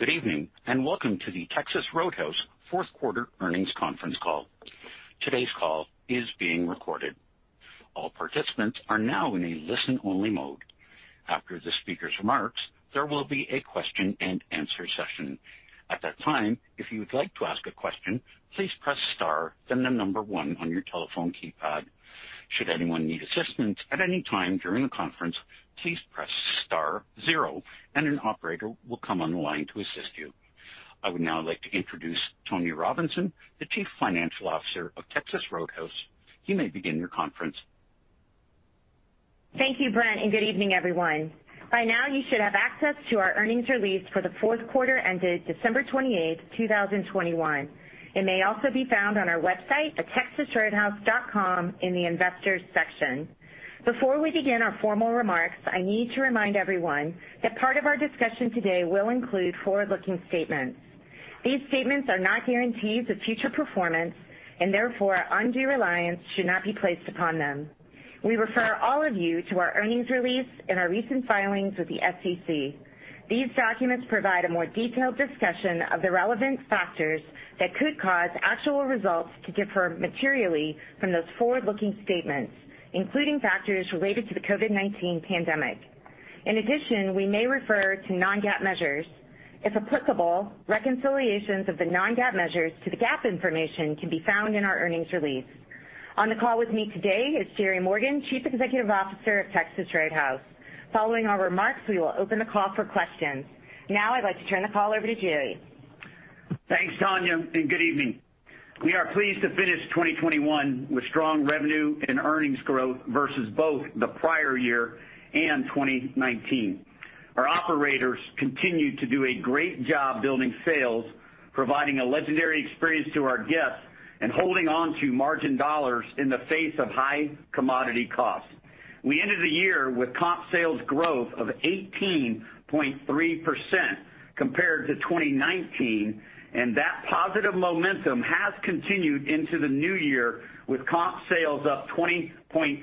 Good evening, and Welcome to the Texas Roadhouse Fourth Quarter Earnings Conference Call. Today's call is being recorded. All participants are now in a listen-only mode. After the speaker's remarks, there will be a question-and-answer session. At that time, if you would like to ask a question, please press star, then the number one on your telephone keypad. Should anyone need assistance at any time during the conference, please press star zero and an operator will come on the line to assist you. I would now like to introduce Tonya Robinson, the Chief Financial Officer of Texas Roadhouse. You may begin your conference. Thank you, Brent, and good evening, everyone. By now, you should have access to our earnings release for the fourth quarter ended December 28, 2021. It may also be found on our website at texasroadhouse.com in the Investors Section. Before we begin our formal remarks, I need to remind everyone that part of our discussion today will include forward-looking statements. These statements are not guarantees of future performance and therefore undue reliance should not be placed upon them. We refer all of you to our earnings release and our recent filings with the SEC. These documents provide a more detailed discussion of the relevant factors that could cause actual results to differ materially from those forward-looking statements, including factors related to the COVID-19 pandemic. In addition, we may refer to non-GAAP measures. If applicable, reconciliations of the non-GAAP measures to the GAAP information can be found in our earnings release. On the call with me today is Jerry Morgan, Chief Executive Officer of Texas Roadhouse. Following our remarks, we will open the call for questions. Now I'd like to turn the call over to Jerry. Thanks, Tonya, and good evening. We are pleased to finish 2021 with strong revenue and earnings growth versus both the prior year and 2019. Our operators continued to do a great job building sales, providing a legendary experience to our guests, and holding on to margin dollars in the face of high commodity costs. We ended the year with comp sales growth of 18.3% compared to 2019, and that positive momentum has continued into the new year with comp sales up 20.6%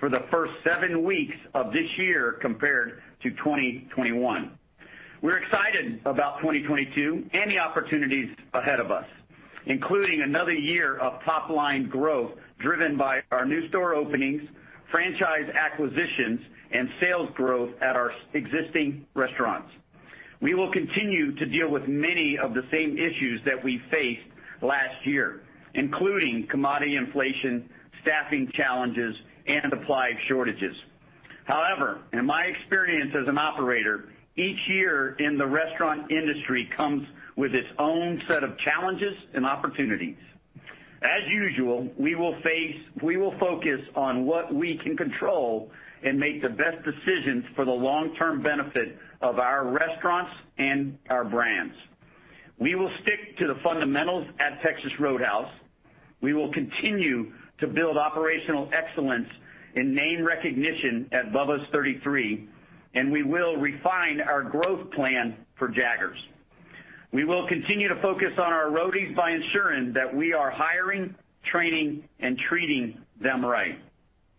for the first seven weeks of this year compared to 2021. We're excited about 2022 and the opportunities ahead of us, including another year of top-line growth driven by our New Store Openings, Franchise Acquisitions, and Sales Growth at our existing restaurants. We will continue to deal with many of the same issues that we faced last year, including commodity inflation, staffing challenges, and supply shortages. However, in my experience as an Operator, each year in the restaurant industry comes with its own set of challenges and opportunities. As usual, we will focus on what we can control and make the best decisions for the long-term benefit of our restaurants and our brands. We will stick to the fundamentals at Texas Roadhouse. We will continue to build operational excellence and name recognition at Bubba's 33, and we will refine our growth plan for Jaggers. We will continue to focus on our Roadies by ensuring that we are Hiring, Training, and treating them right.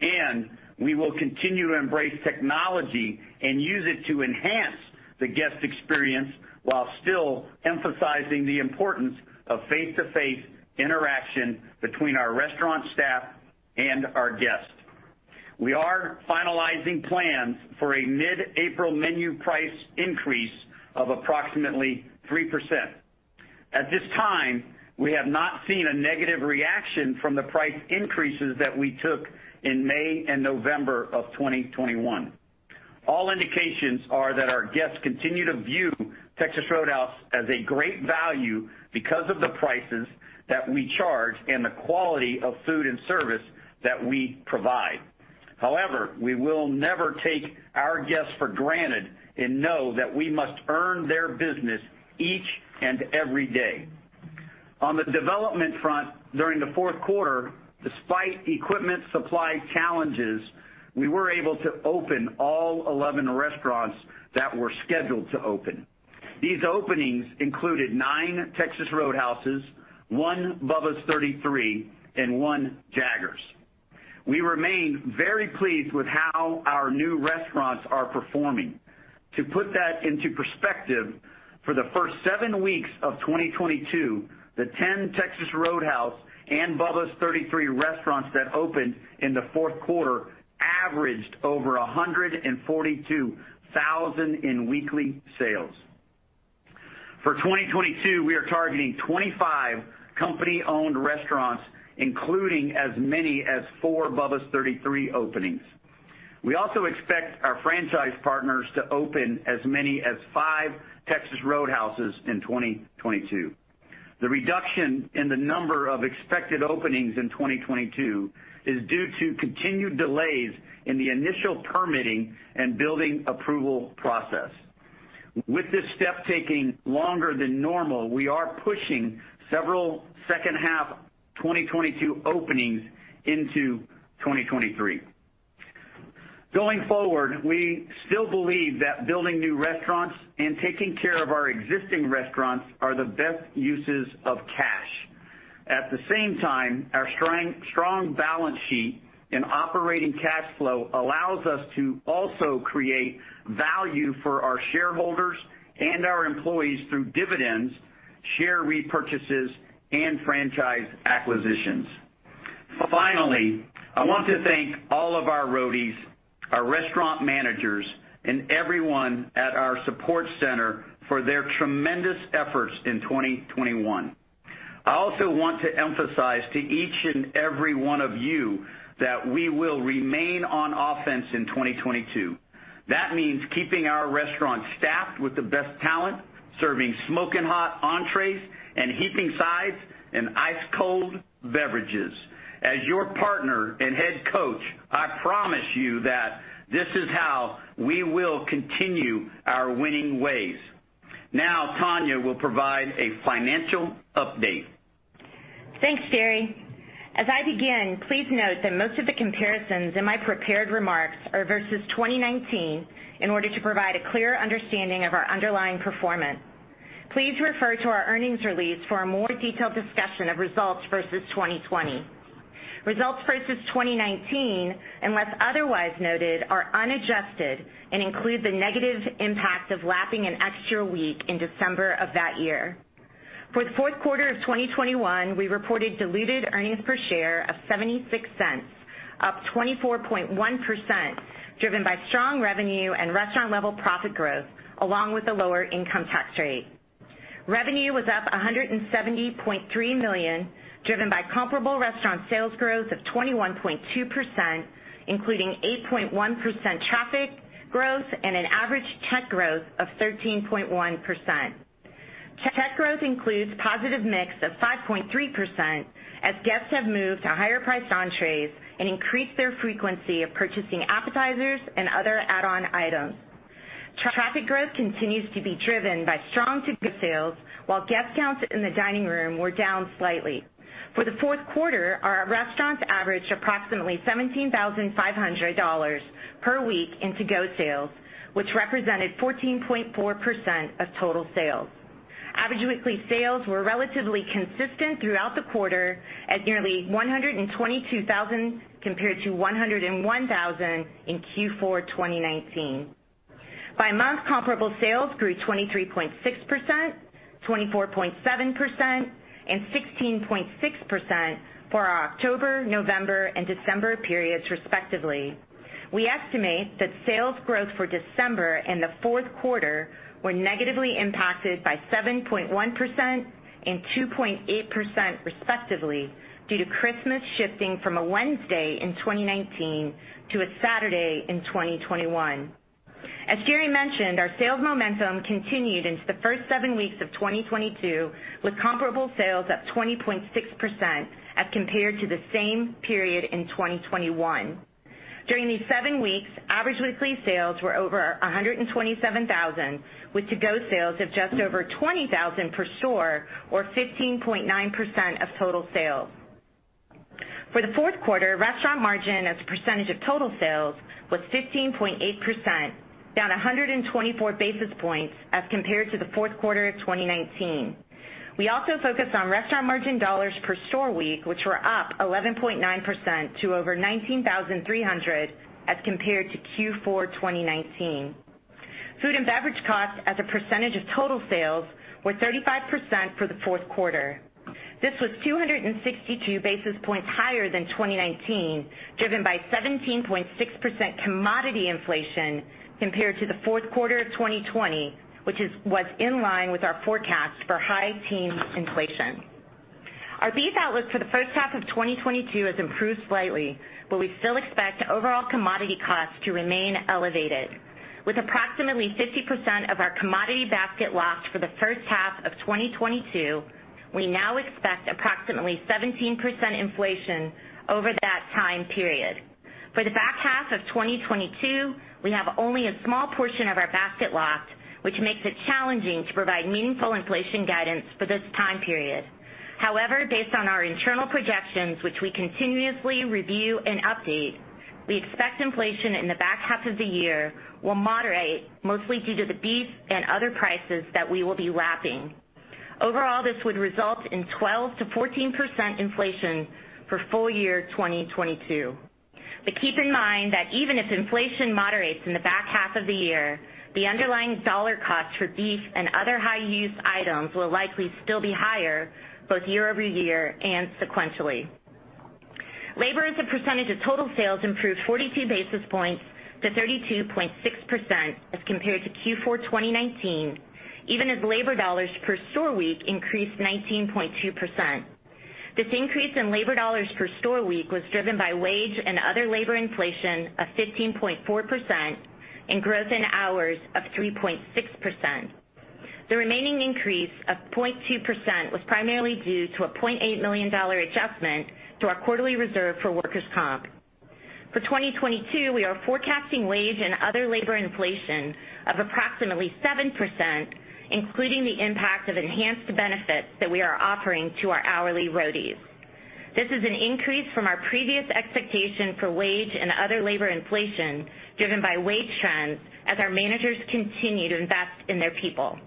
And we will continue to embrace technology and use it to enhance the guest experience while still emphasizing the importance of face-to-face interaction between our restaurant staff and our guests. We are finalizing plans for a mid-April menu price increase of approximately 3%. At this time, we have not seen a negative reaction from the price increases that we took in May and November of 2021. All indications are that our guests continue to view Texas Roadhouse as a great value because of the prices that we charge and the quality of food and service that we provide. However, we will never take our guests for granted and know that we must earn their business each and every day. On the development front, during the fourth quarter, despite the equipment supply challenges, we were able to open all 11 restaurants that were scheduled to open. These openings included nine Texas Roadhouses, one Bubba's 33, and one Jaggers. We remain very pleased with how our new restaurants are performing. To put that into perspective, for the first seven weeks of 2022, the 10 Texas Roadhouse and Bubba's 33 restaurants that opened in the fourth quarter averaged over $142,000 in weekly sales. For 2022, we are targeting 25 company-owned restaurants, including as many as four Bubba's 33 openings. We also expect our franchise partners to open as many as five Texas Roadhouses in 2022. The reduction in the number of expected openings in 2022 is due to continued delays in the initial permitting and building approval process. With this step taking longer than normal, we are pushing several second half 2022 openings into 2023. Going forward, we still believe that building new restaurants and taking care of our existing restaurants are the best uses of cash. At the same time, our strong balance sheet and operating cash flow allows us to also create value for our Shareholders and our employees through dividends, share repurchases, and franchise acquisitions. Finally, I want to thank all of our Roadies, our Restaurant Managers, and everyone at our support center for their tremendous efforts in 2021. I also want to emphasize to each and every one of you that we will remain on offense in 2022. That means keeping our restaurants staffed with the best talent, serving smoking hot entrees and heaping sides and ice cold beverages. As your partner and head coach, I promise you that this is how we will continue our winning ways. Now, Tonya will provide a financial update. Thanks, Jerry. As I begin, please note that most of the comparisons in my prepared remarks are versus 2019 in order to provide a clear understanding of our underlying performance. Please refer to our Earnings Release for a more detailed discussion of results versus 2020. Results versus 2019, unless otherwise noted, are unadjusted and include the negative impact of lapping an extra week in December of that year. For the fourth quarter of 2021, we reported diluted earnings per share of $0.76, up 24.1%, driven by strong revenue and restaurant level profit growth along with a lower income tax rate. Revenue was up $170.3 million, driven by comparable restaurant sales growth of 21.2%, including 8.1% traffic growth and an average check growth of 13.1%. Check growth includes positive mix of 5.3% as guests have moved to higher priced entrees and increased their frequency of purchasing appetizers and other add-on items. Traffic growth continues to be driven by strong to-go sales while guest counts in the dining room were down slightly. For the fourth quarter, our restaurants averaged approximately $17,500 per week in to-go sales, which represented 14.4% of total sales. Average weekly sales were relatively consistent throughout the quarter at nearly $122,000 compared to $101,000 in Q4 2019. By month, comparable sales grew 23.6%, 24.7%, and 16.6% for our October, November, and December periods, respectively. We estimate that sales growth for December and the fourth quarter were negatively impacted by 7.1% and 2.8% respectively due to Christmas shifting from a Wednesday in 2019 to a Saturday in 2021. Jerry mentioned, our sales momentum continued into the first seven weeks of 2022, with comparable sales up 20.6% as compared to the same period in 2021. During these seven weeks, average weekly sales were over $127,000, with to-go sales of just over $20,000 per store, or 15.9% of total sales. For the fourth quarter, restaurant margin as a percentage of total sales was 15.8%, down 124 basis points as compared to the fourth quarter of 2019. We also focused on restaurant margin dollars per store week, which were up 11.9% to over $19,300 as compared to Q4 2019. Food and beverage costs as a percentage of total sales were 35% for the fourth quarter. This was 262 basis points higher than 2019, driven by 17.6% commodity inflation compared to the fourth quarter of 2020, which was in line with our forecast for high-teens inflation. Our beef outlook for the first half of 2022 has improved slightly, but we still expect overall commodity costs to remain elevated. With approximately 50% of our commodity basket locked for the first half of 2022, we now expect approximately 17% inflation over that time period. For the back half of 2022, we have only a small portion of our basket locked, which makes it challenging to provide meaningful inflation guidance for this time period. However, based on our internal projections, which we continuously review and update, we expect inflation in the back half of the year will moderate, mostly due to the beef and other prices that we will be lapping. Overall, this would result in 12%-14% inflation for full year 2022. Keep in mind that even if inflation moderates in the back half of the year, the underlying dollar cost for beef and other high-use items will likely still be higher both year-over-year and sequentially. Labor as a percentage of total sales improved 42 basis points to 32.6% as compared to Q4 2019, even as labor dollars per store week increased 19.2%. This increase in labor dollars per store week was driven by wage and other labor inflation of 15.4% and growth in hours of 3.6%. The remaining increase of 0.2% was primarily due to a $0.8 million adjustment to our quarterly reserve for workers' comp. For 2022, we are forecasting wage and other labor inflation of approximately 7%, including the impact of enhanced benefits that we are offering to our hourly Roadies. This is an increase from our previous expectation for wage and other labor inflation driven by wage trends as our managers continue to invest in their people.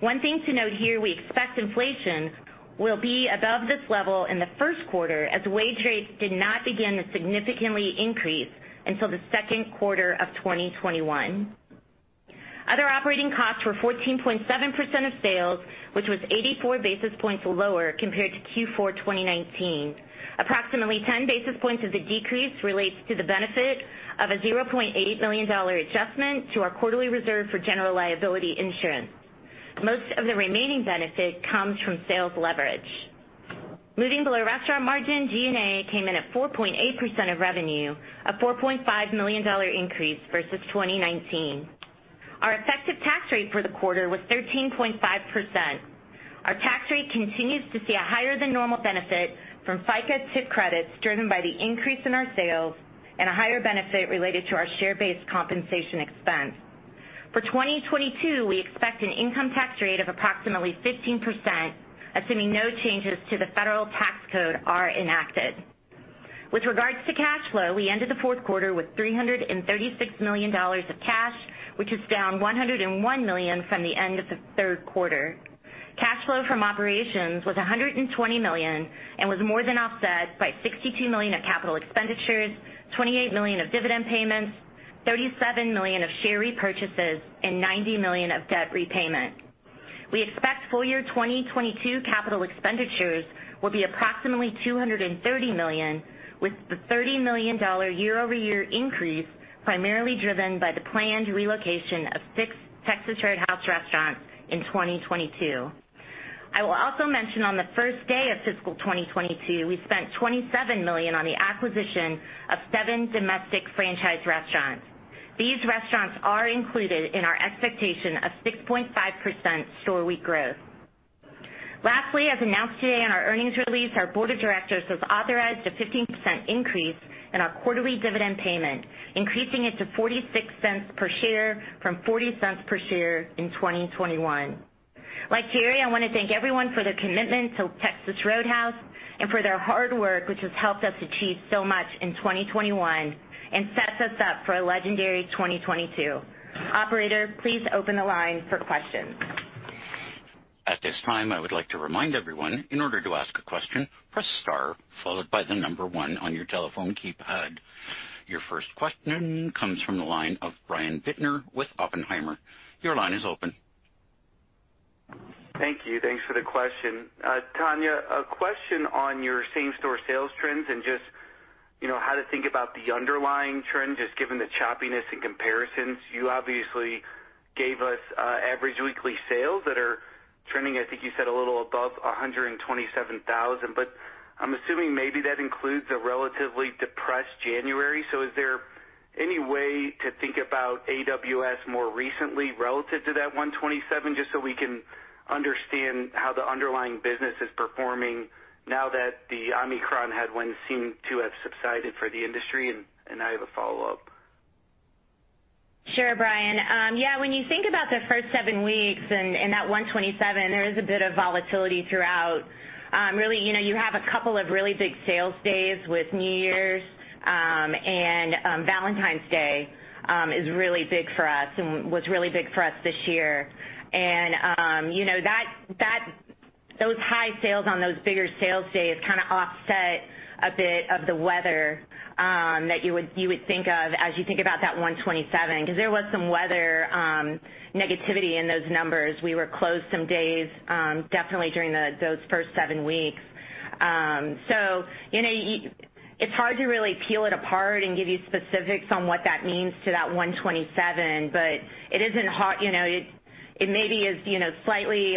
One thing to note here, we expect inflation will be above this level in the first quarter as wage rates did not begin to significantly increase until the second quarter of 2021. Other operating costs were 14.7% of sales, which was 84 basis points lower compared to Q4 2019. Approximately 10 basis points of the decrease relates to the benefit of a $0.8 million adjustment to our quarterly reserve for general liability insurance. Most of the remaining benefit comes from sales leverage. Moving below restaurant margin, G&A came in at 4.8% of revenue, a $4.5 million increase versus 2019. Our effective tax rate for the quarter was 13.5%. Our tax rate continues to see a higher than normal benefit from FICA tip credits driven by the increase in our sales and a higher benefit related to our share-based compensation expense. For 2022, we expect an income tax rate of approximately 15%, assuming no changes to the federal tax code are enacted. With regards to cash flow, we ended the fourth quarter with $336 million of cash, which is down $101 million from the end of the third quarter. Cash flow from operations was $120 million and was more than offset by $62 million of capital expenditures, $28 million of dividend payments, $37 million of share repurchases, and $90 million of debt repayment. We expect full year 2022 capital expenditures will be approximately $230 million, with the $30 million year-over-year increase primarily driven by the planned relocation of 6 Texas Roadhouse restaurants in 2022. I will also mention on the first day of fiscal 2022, we spent $27 million on the acquisition of seven domestic franchise restaurants. These restaurants are included in our expectation of 6.5% store week growth. Lastly, as announced today in our earnings release, our Board of Directors has authorized a 15% increase in our quarterly dividend payment, increasing it to $0.46 per share from $0.40 per share in 2021. Like Jerry, I want to thank everyone for their commitment to Texas Roadhouse and for their hard work, which has helped us achieve so much in 2021 and sets us up for a legendary 2022. Operator, please open the line for questions. At this time, I would like to remind everyone, in order to ask a question, press star followed by the number one on your telephone keypad. Your first question comes from the line of Brian Bittner with Oppenheimer. Your line is open. Thank you. Thanks for the question. Tonya, a question on your same-store sales trends and just, you know, how to think about the underlying trend, just given the choppiness in comparisons. You obviously gave us average weekly sales that are trending, I think you said a little above $127,000, but I'm assuming maybe that includes a relatively depressed January. Is there any way to think about AWS more recently relative to that 127, just so we can understand how the underlying business is performing now that the Omicron headwinds seem to have subsided for the industry? And I have a follow-up. Sure, Brian. Yeah, when you think about the first seven weeks and that 127, there is a bit of volatility throughout. Really, you know, you have a couple of really big sales days with New Year's and Valentine's Day is really big for us and was really big for us this year. You know, those high sales on those bigger sales days kinda offset a bit of the weather that you would think of as you think about that 127, 'cause there was some weather negativity in those numbers. We were closed some days, definitely during those first seven weeks. You know, it's hard to really peel it apart and give you specifics on what that means to that 127, but it isn't hard, you know. It maybe is, you know, slightly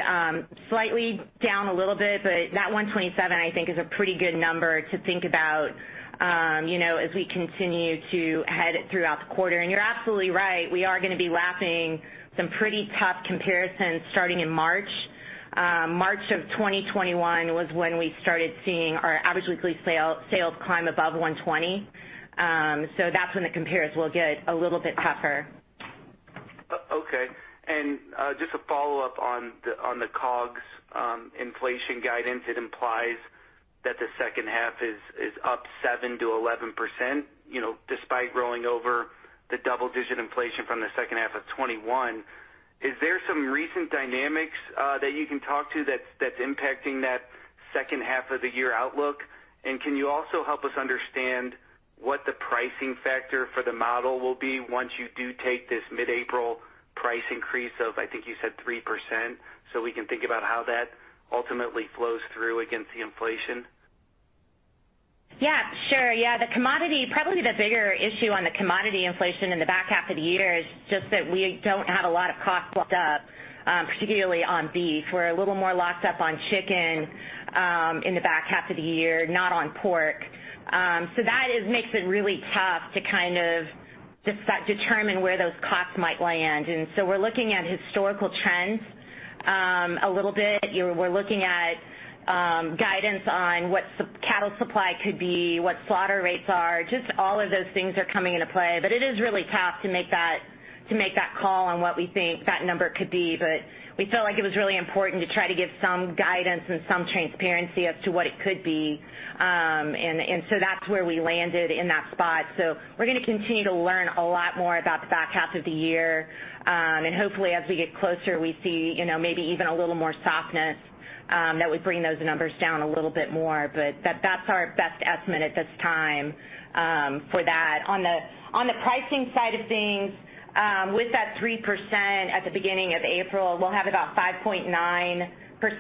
down a little bit, but that 127, I think, is a pretty good number to think about, you know, as we continue to head throughout the quarter. You're absolutely right, we are gonna be lapping some pretty tough comparisons starting in March. March of 2021 was when we started seeing our average weekly sales climb above 120. That's when the comparison will get a little bit tougher. Okay. Just a follow-up on the COGS inflation guidance. It implies that the second half is up 7%-11%, you know, despite rolling over the double-digit inflation from the second half of 2021. Is there some recent dynamics that you can talk to that's impacting that second half of the year outlook? Can you also help us understand what the pricing factor for the model will be once you do take this mid-April price increase of, I think you said 3%, so we can think about how that ultimately flows through against the inflation? Yeah, sure. Yeah, probably the bigger issue on the commodity inflation in the back half of the year is just that we don't have a lot of costs locked up, particularly on beef. We're a little more locked up on chicken in the back half of the year, not on pork. So that makes it really tough to kind of just determine where those costs might land. We're looking at historical trends a little bit. You know, we're looking at guidance on what cattle supply could be, what slaughter rates are, just all of those things are coming into play. It is really tough to make that call on what we think that number could be. We felt like it was really important to try to give some guidance and some transparency as to what it could be. So that's where we landed in that spot. We're gonna continue to learn a lot more about the back half of the year. And hopefully, as we get closer, we see maybe even a little more softness that would bring those numbers down a little bit more, but that's our best estimate at this time for that. On the pricing side of things, with that 3% at the beginning of April, we'll have about 5.9%,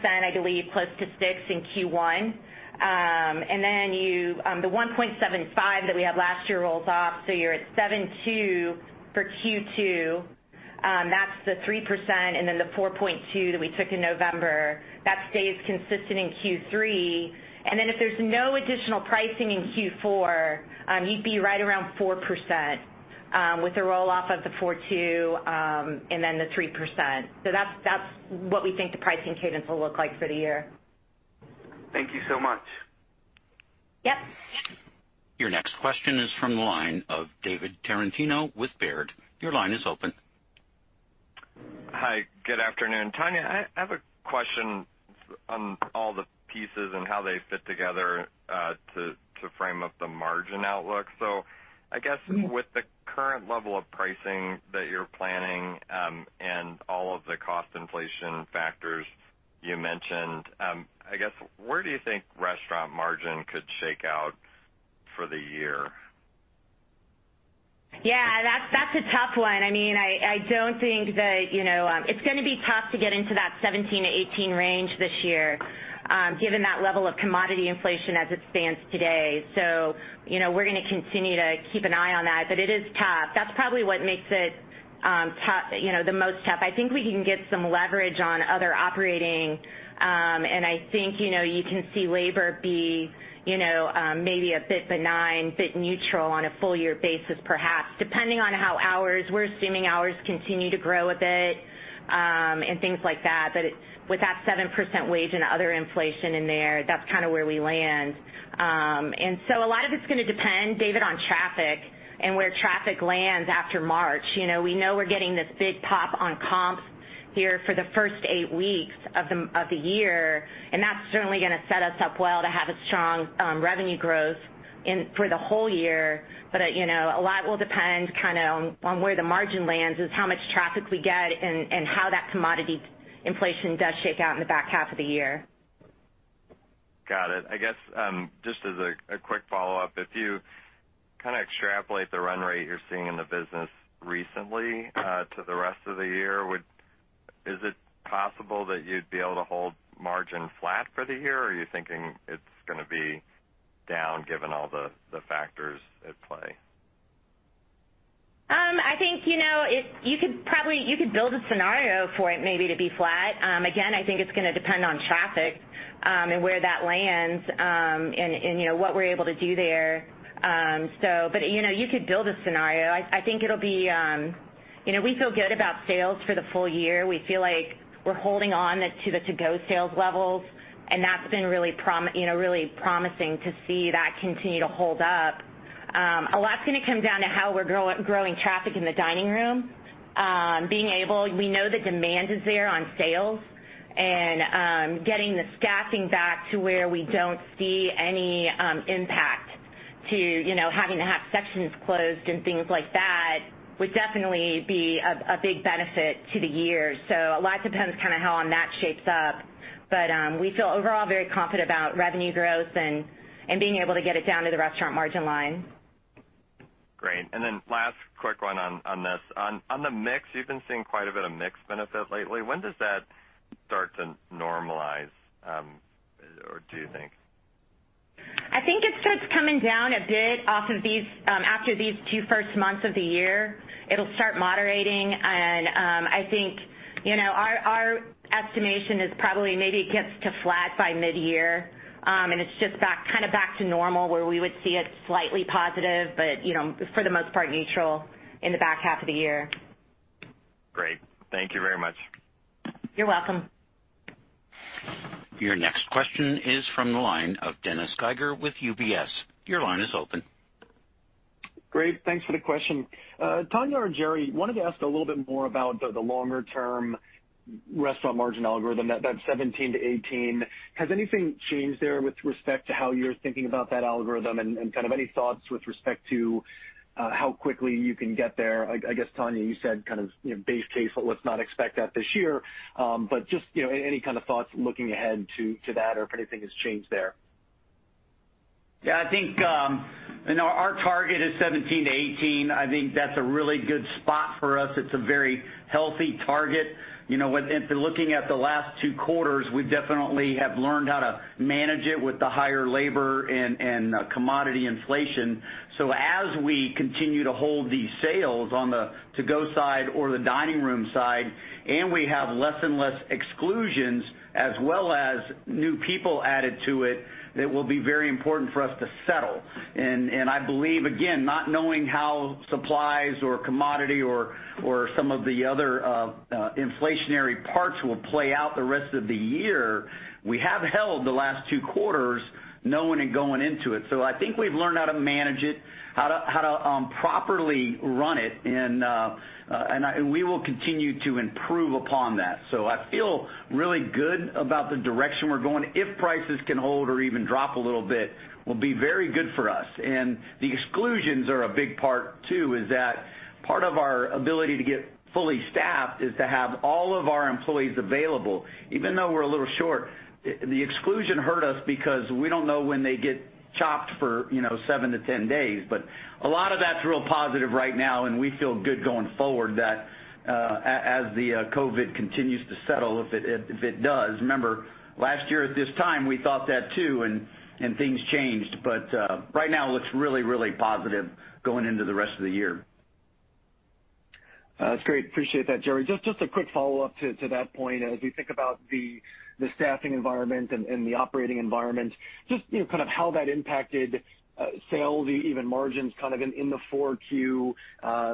I believe, close to 6% in Q1. And then the 1.75% that we had last year rolls off, so you're at 7.2% for Q2. That's the 3% and then the 4.2 that we took in November. That stays consistent in Q3. If there's no additional pricing in Q4, you'd be right around 4%, with the roll-off of the 4.2, and then the 3%. That's what we think the pricing cadence will look like for the year. Thank you so much. Yep. Your next question is from the line of David Tarantino with Baird. Your line is open. Hi. Good afternoon. Tonya, I have a question on all the pieces and how they fit together, to frame up the margin outlook. I guess with the current level of pricing that you're planning, and all of the cost inflation factors you mentioned, I guess where do you think restaurant margin could shake out for the year? Yeah, that's a tough one. I mean, I don't think that, you know, it's gonna be tough to get into that 17%-18% range this year, given that level of commodity inflation as it stands today. So, you know, we're gonna continue to keep an eye on that, but it is tough. That's probably what makes it tough, you know, the most tough. I think we can get some leverage on other operating, and I think, you know, you can see labor be, you know, maybe a bit benign, bit neutral on a full year basis, perhaps. Depending on how hours, we're assuming hours continue to grow a bit, and things like that. But with that 7% wage and other inflation in there, that's kinda where we land. A lot of it's gonna depend, David, on traffic and where traffic lands after March. You know, we know we're getting this big pop on comps here for the first eight weeks of the year, and that's certainly gonna set us up well to have a strong revenue growth for the whole year. You know, a lot will depend kinda on where the margin lands is how much traffic we get and how that commodity inflation does shake out in the back half of the year. Got it. I guess just as a quick follow-up, if you kinda extrapolate the run rate you're seeing in the business recently to the rest of the year, is it possible that you'd be able to hold margin flat for the year? Or are you thinking it's gonna be down given all the factors at play? I think, you know, you could build a scenario for it maybe to be flat. Again, I think it's gonna depend on traffic, and where that lands, and you know, what we're able to do there. But, you know, you could build a scenario. I think it'll be. You know, we feel good about sales for the full year. We feel like we're holding on to the to-go sales levels, and that's been really promising, you know, to see that continue to hold up. A lot's gonna come down to how we're growing traffic in the dining room. We know the demand is there on sales and getting the staffing back to where we don't see any impact to, you know, having to have sections closed and things like that would definitely be a big benefit to the year. A lot depends kinda on how that shapes up. We feel overall very confident about revenue growth and being able to get it down to the restaurant margin line. Great. Last quick one on this. On the mix, you've been seeing quite a bit of mix benefit lately. When does that start to normalize, or do you think? I think it starts coming down a bit off of these after these two first months of the year. It'll start moderating and I think you know our estimation is probably maybe it gets to flat by mid-year. It's just back kind of back to normal where we would see it slightly positive but you know for the most part neutral in the back half of the year. Great. Thank you very much. You're welcome. Your next question is from the line of Dennis Geiger with UBS. Your line is open. Great. Thanks for the question. Tonya or Jerry, wanted to ask a little bit more about the longer term restaurant margin algorithm, that 17%-18%. Has anything changed there with respect to how you're thinking about that algorithm? Kind of any thoughts with respect to how quickly you can get there. I guess, Tonya, you said kind of, you know, base case, let's not expect that this year. Just, you know, any kind of thoughts looking ahead to that or if anything has changed there? Yeah. I think, you know, our target is 17%-18%. I think that's a really good spot for us. It's a very healthy target. You know, when looking at the last two quarters, we definitely have learned how to manage it with the higher labor and commodity inflation. As we continue to hold these sales on the To-Go side or the dining room side, and we have less and less exclusions, as well as new people added to it that will be very important for us to settle. I believe, again, not knowing how supplies or commodity or some of the other inflationary parts will play out the rest of the year, we have held the last two quarters knowing and going into it. I think we've learned how to manage it, how to properly run it and we will continue to improve upon that. I feel really good about the direction we're going. If prices can hold or even drop a little bit, it will be very good for us. The exclusions are a big part too. That part of our ability to get fully staffed is to have all of our employees available. Even though we're a little short, the exclusion hurt us because we don't know when they get chopped for, you know, seven to 10 days. A lot of that's really positive right now, and we feel good going forward that as the COVID continues to settle, if it does. Remember, last year at this time, we thought that too, and things changed. But, right now looks really, really positive going into the rest of the year. That's great. Appreciate that, Jerry. Just a quick follow-up to that point. As we think about the staffing environment and the operating environment, just, you know, kind of how that impacted sales, even margins kind of in the 4Q, you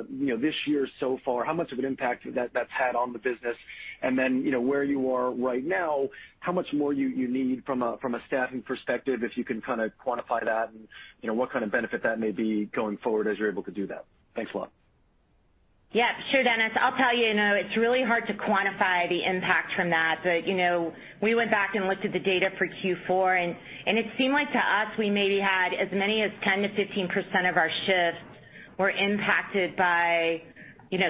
know, this year so far. How much of an impact that's had on the business? And then, you know, where you are right now, how much more you need from a staffing perspective, if you can kinda quantify that and, you know, what kind of benefit that may be going forward as you're able to do that? Thanks a lot. Yeah, sure, Dennis. I'll tell you know, it's really hard to quantify the impact from that. You know, we went back and looked at the data for Q4, and it seemed like to us, we maybe had as many as 10%-15% of our shifts were impacted by, you know,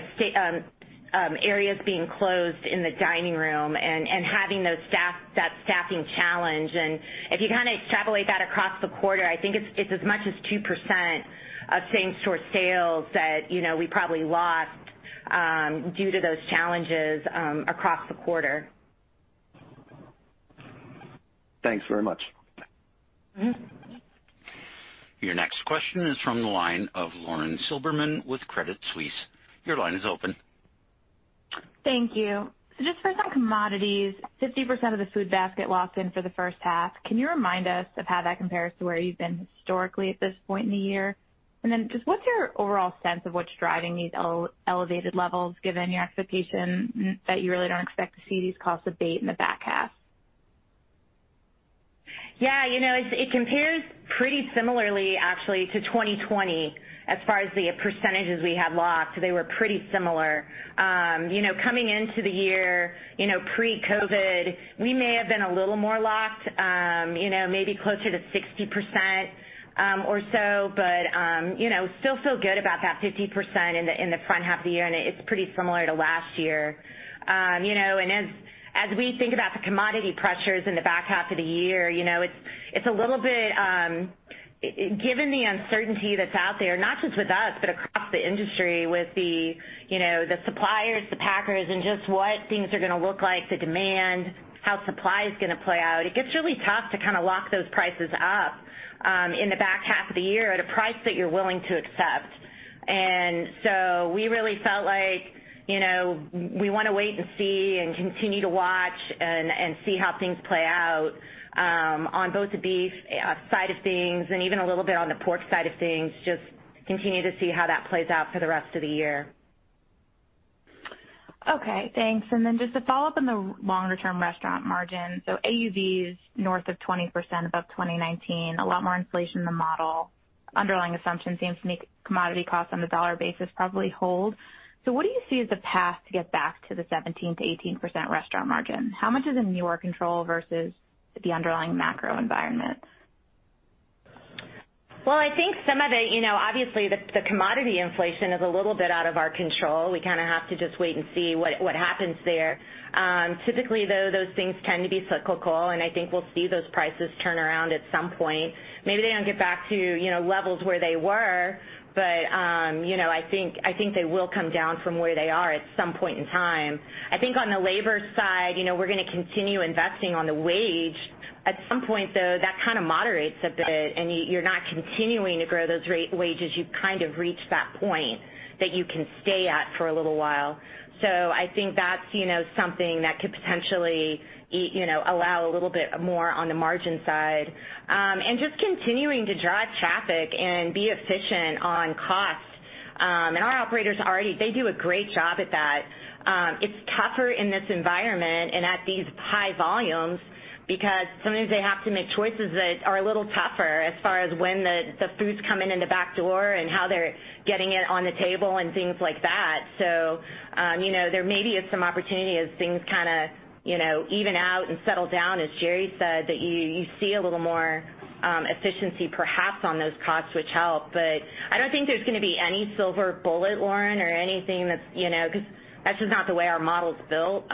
areas being closed in the dining room and having that staffing challenge. If you kinda extrapolate that across the quarter, I think it's as much as 2% of same-store sales that, you know, we probably lost due to those challenges across the quarter. Thanks very much. Your next question is from the line of Lauren Silberman with Credit Suisse. Your line is open. Thank you. Just for some commodities, 50% of the food basket locked in for the first half. Can you remind us of how that compares to where you've been historically at this point in the year? Just what's your overall sense of what's driving these elevated levels, given your expectation that you really don't expect to see these costs abate in the back half? Yeah. You know, it compares pretty similarly actually to 2020 as far as the percentages we had locked. They were pretty similar. You know, coming into the year, you know, pre-COVID, we may have been a little more locked, you know, maybe closer to 60%, or so. You know, still feel good about that 50% in the front half of the year, and it's pretty similar to last year. You know, as we think about the commodity pressures in the back half of the year, you know, it's a little bit given the uncertainty that's out there, not just with us but across the industry with you know, the suppliers, the packers, and just what things are gonna look like, the demand, how supply is gonna play out, it gets really tough to kinda lock those prices up in the back half of the year at a price that you're willing to accept. We really felt like, you know, we wanna wait and see and continue to watch and see how things play out on both the beef side of things and even a little bit on the pork side of things, just continue to see how that plays out for the rest of the year. Okay, thanks. Then just a follow-up on the longer-term restaurant margin. AUV is north of 20% above 2019, a lot more inflation in the model. Underlying assumption seems to make commodity costs on the dollar basis probably hold. What do you see as the path to get back to the 17%-18% restaurant margin? How much is in your control versus the underlying macro environment? Well, I think some of it, you know, obviously the commodity inflation is a little bit out of our control. We kinda have to just wait and see what happens there. Typically, though, those things tend to be cyclical, and I think we'll see those prices turn around at some point. Maybe they don't get back to, you know, levels where they were, but, you know, I think they will come down from where they are at some point in time. I think on the labor side, you know, we're gonna continue investing in wages. At some point, though, that kinda moderates a bit, and you're not continuing to grow those wages. You've kind of reached that point that you can stay at for a little while. I think that's, you know, something that could potentially, you know, allow a little bit more on the margin side. Just continuing to drive traffic and be efficient on costs. Our operators already, they do a great job at that. It's tougher in this environment and at these high volumes because sometimes they have to make choices that are a little tougher as far as when the food's coming in the back door and how they're getting it on the table and things like that. You know, there may be some opportunity as things kinda, you know, even out and settle down, as Jerry said, that you see a little more efficiency perhaps on those costs which help. I don't think there's gonna be any silver bullet, Lauren, or anything that's, you know, 'cause that's just not the way our model's built,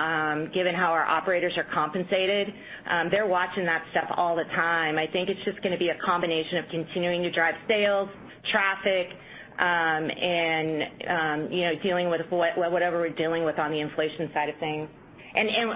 given how our operators are compensated. They're watching that stuff all the time. I think it's just gonna be a combination of continuing to drive sales, traffic, and, you know, dealing with whatever we're dealing with on the inflation side of things.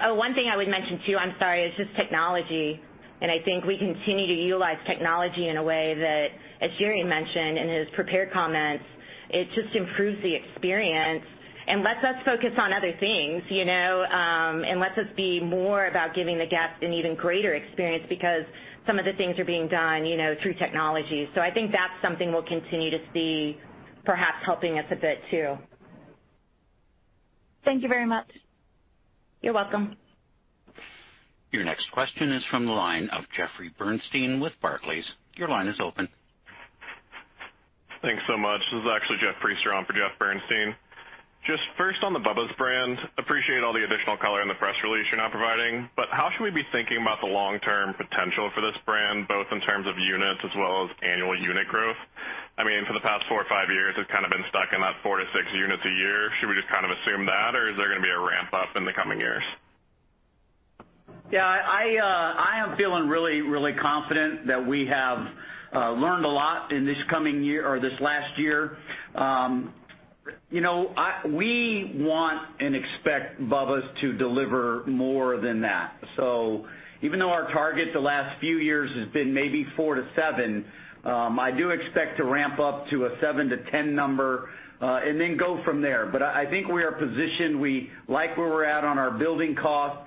Oh, one thing I would mention, too, I'm sorry, is just technology. And I think we continue to utilize technology in a way that, as Jerry mentioned in his prepared comments, it just improves the experience and lets us focus on other things, you know, and lets us be more about giving the guest an even greater experience because some of the things are being done, you know, through technology. I think that's something we'll continue to see perhaps helping us a bit too. Thank you very much. You're welcome. Your next question is from the line of Jeffrey Bernstein with Barclays. Your line is open. Thanks so much. This is actually Jeff Priester on for Jeffrey Bernstein. Just first on the Bubba's brand, appreciate all the additional color in the press release you're now providing. How should we be thinking about the long-term potential for this brand, both in terms of units as well as annual unit growth? I mean, for the past four or five years, it's kind of been stuck in that four to six units a year. Should we just kind of assume that? Or is there gonna be a ramp up in the coming years? Yeah, I am feeling really confident that we have learned a lot in this coming year or this last year. You know, we want and expect Bubba's to deliver more than that. Even though our target the last few years has been maybe 4%-7%, I do expect to ramp up to a 7%-10% number, and then go from there. I think we are positioned. We like where we're at on our building cost.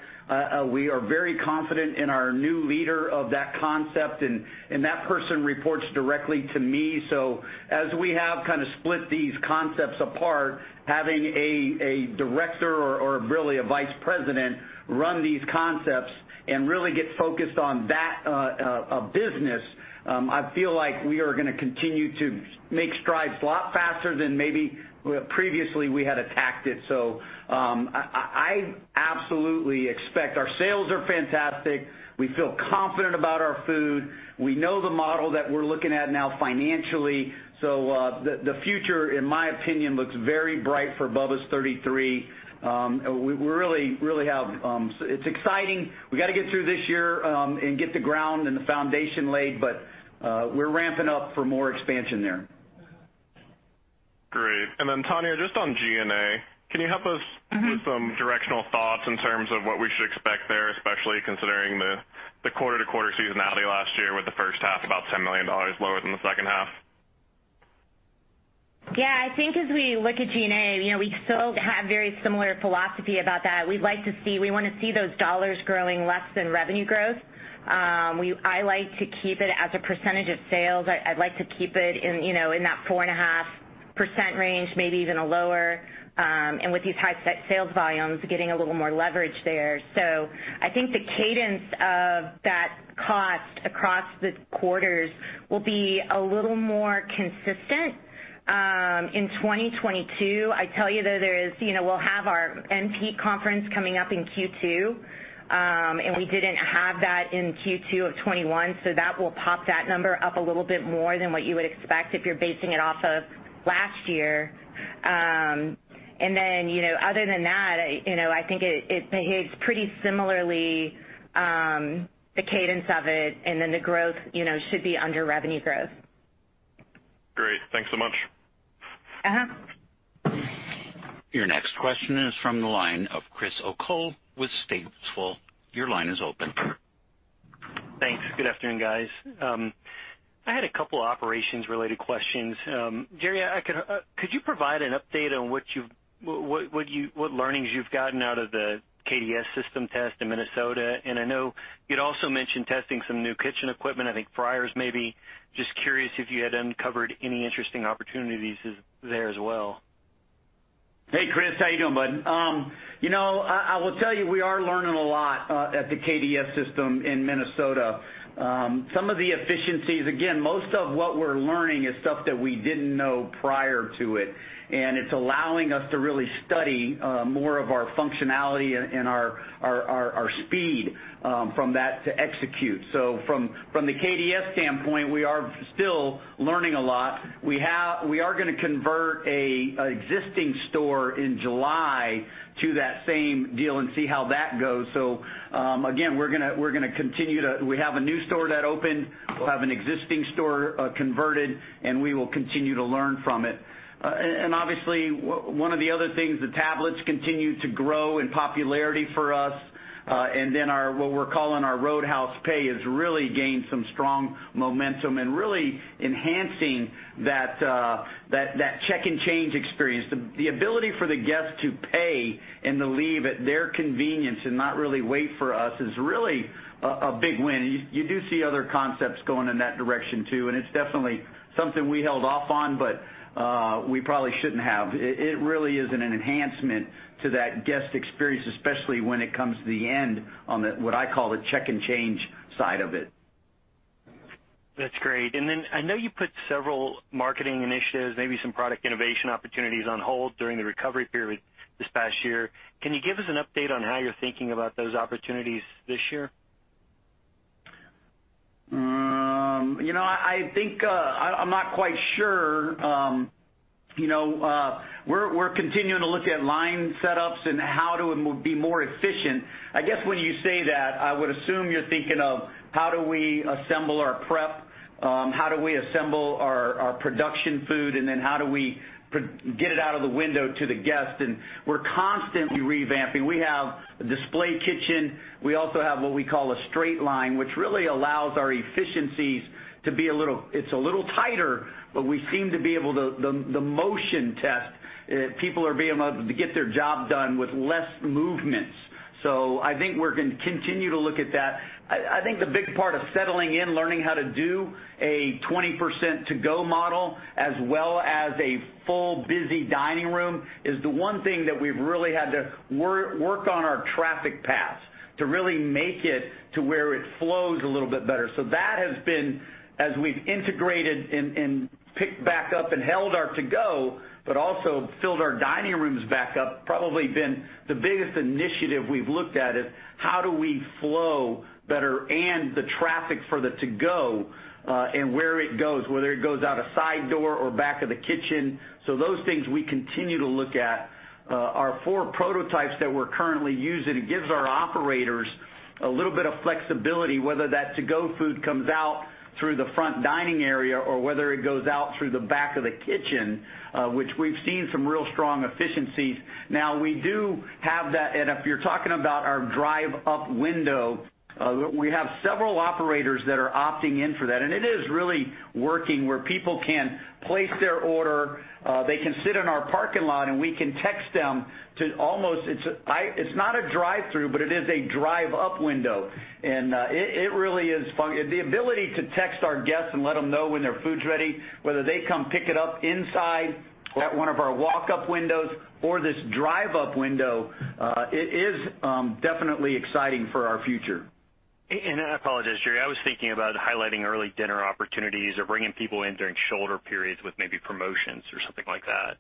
We are very confident in our new leader of that concept, and that person reports directly to me. As we have kinda split these concepts apart, having a director or really a vice president run these concepts and really get focused on that business, I feel like we are gonna continue to make strides a lot faster than maybe previously we had attacked it. I absolutely expect our sales are fantastic. We feel confident about our food. We know the model that we're looking at now financially, so the future, in my opinion, looks very bright for Bubba's 33. We really have. It's exciting. We gotta get through this year and get the groundwork and the foundation laid, but we're ramping up for more expansion there. Great. Tonya, just on G&A, can you help us with some directional thoughts in terms of what we should expect there, especially considering the quarter-to-quarter seasonality last year with the first half about $10 million lower than the second half? I think as we look at G&A, you know, we still have very similar philosophy about that. We wanna see those dollars growing less than revenue growth. I like to keep it as a percentage of sales. I'd like to keep it in, you know, in that 4.5% range, maybe even lower, and with these high sales volumes, getting a little more leverage there. I think the cadence of that cost across the quarters will be a little more consistent in 2022. I tell you though, there is, you know, we'll have our MP conference coming up in Q2, and we didn't have that in Q2 of 2021, so that will pop that number up a little bit more than what you would expect if you're basing it off of last year. You know, other than that, you know, I think it behaves pretty similarly, the cadence of it, and then the growth, you know, should be under revenue growth. Great. Thanks so much. Your next question is from the line of Chris O'Cull with Stifel. Your line is open. Thanks. Good afternoon, guys. I had a couple operations related questions. Jerry, could you provide an update on what learnings you've gotten out of the KDS system test in Minnesota? I know you'd also mentioned testing some new kitchen equipment, I think fryers maybe. Just curious if you had uncovered any interesting opportunities there as well. Hey, Chris. How you doing, bud? You know, I will tell you, we are learning a lot at the KDS system in Minnesota. Some of the efficiencies, again, most of what we're learning is stuff that we didn't know prior to it, and it's allowing us to really study more of our functionality and our speed from that to execute. So from the KDS standpoint, we are still learning a lot. We are gonna convert an existing store in July to that same deal and see how that goes. So, again, we're gonna continue to. We have a new store that opened, we'll have an existing store converted, and we will continue to learn from it. Obviously, one of the other things, the tablets continue to grow in popularity for us. Our what we're calling our Roadhouse Pay has really gained some strong momentum and really enhancing that check and change experience. The ability for the guest to pay and to leave at their convenience and not really wait for us is really a big win. You do see other concepts going in that direction too, and it's definitely something we held off on, but we probably shouldn't have. It really is an enhancement to that guest experience, especially when it comes to the end of the what I call the check and change side of it. That's great. I know you put several marketing initiatives, maybe some product innovation opportunities on hold during the recovery period this past year. Can you give us an update on how you're thinking about those opportunities this year? You know, I think I'm not quite sure. You know, we're continuing to look at line setups and how to be more efficient. I guess when you say that, I would assume you're thinking of how do we assemble our production food, and then how do we get it out of the window to the guest. We're constantly revamping. We have a display kitchen. We also have what we call a straight line, which really allows our efficiencies to be a little tighter. It's a little tighter, but the motion test, people are being able to get their job done with less movements. I think we're gonna continue to look at that. I think the big part of settling in, learning how to do a 20% to-go model as well as a full busy dining room is the one thing that we've really had to work on our traffic paths to really make it to where it flows a little bit better. That has been, as we've integrated and picked back up and held our to-go but also filled our dining rooms back up, probably been the biggest initiative we've looked at, is how do we flow better and the traffic for the to-go, and where it goes, whether it goes out a side door or back of the kitchen. Those things we continue to look at. Our four prototypes that we're currently using, it gives our operators a little bit of flexibility whether that to-go food comes out through the front dining area or whether it goes out through the back of the kitchen, which we've seen some real strong efficiencies. Now, we do have that. If you're talking about our drive-up window, we have several operators that are opting in for that. It is really working where people can place their order, they can sit in our parking lot, and we can text them to almost. It's not a drive-through, but it is a drive-up window. It really is fun. The ability to text our guests and let them know when their food's ready, whether they come pick it up inside at one of our walk-up windows or this drive-up window, it is definitely exciting for our future. I apologize, Jerry. I was thinking about highlighting early dinner opportunities or bringing people in during shoulder periods with maybe promotions or something like that.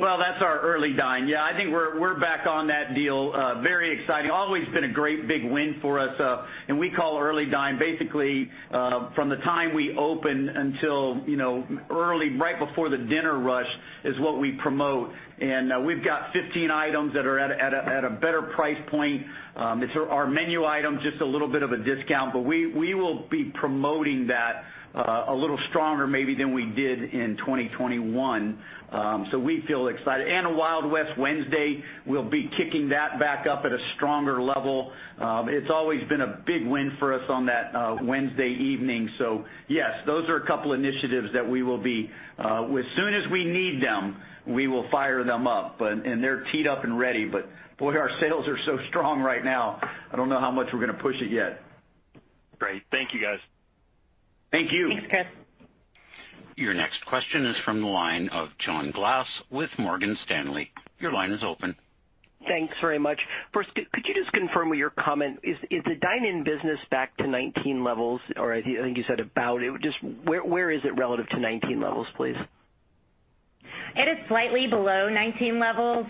Well, that's our Early Dine. Yeah, I think we're back on that deal. Very exciting. Always been a great big win for us, and we call Early Dine basically from the time we open until, you know, early right before the dinner rush is what we promote. We've got 15 items that are at a better price point. It's our menu item, just a little bit of a discount. We will be promoting that a little stronger maybe than we did in 2021. We feel excited. A Wild West Wednesday, we'll be kicking that back up at a stronger level. It's always been a big win for us on that Wednesday evening. Yes, those are a couple initiatives that we will be, as soon as we need them, we will fire them up. They're teed up and ready. Boy, our sales are so strong right now, I don't know how much we're gonna push it yet. Great. Thank you, guys. Thank you. Thanks, Chris. Your next question is from the line of John Glass with Morgan Stanley. Your line is open. Thanks very much. First, could you just confirm with your comment, is the dine-in business back to 2019 levels? Or I think you said about. Just where is it relative to 2019 levels, please? It is slightly below 19 levels,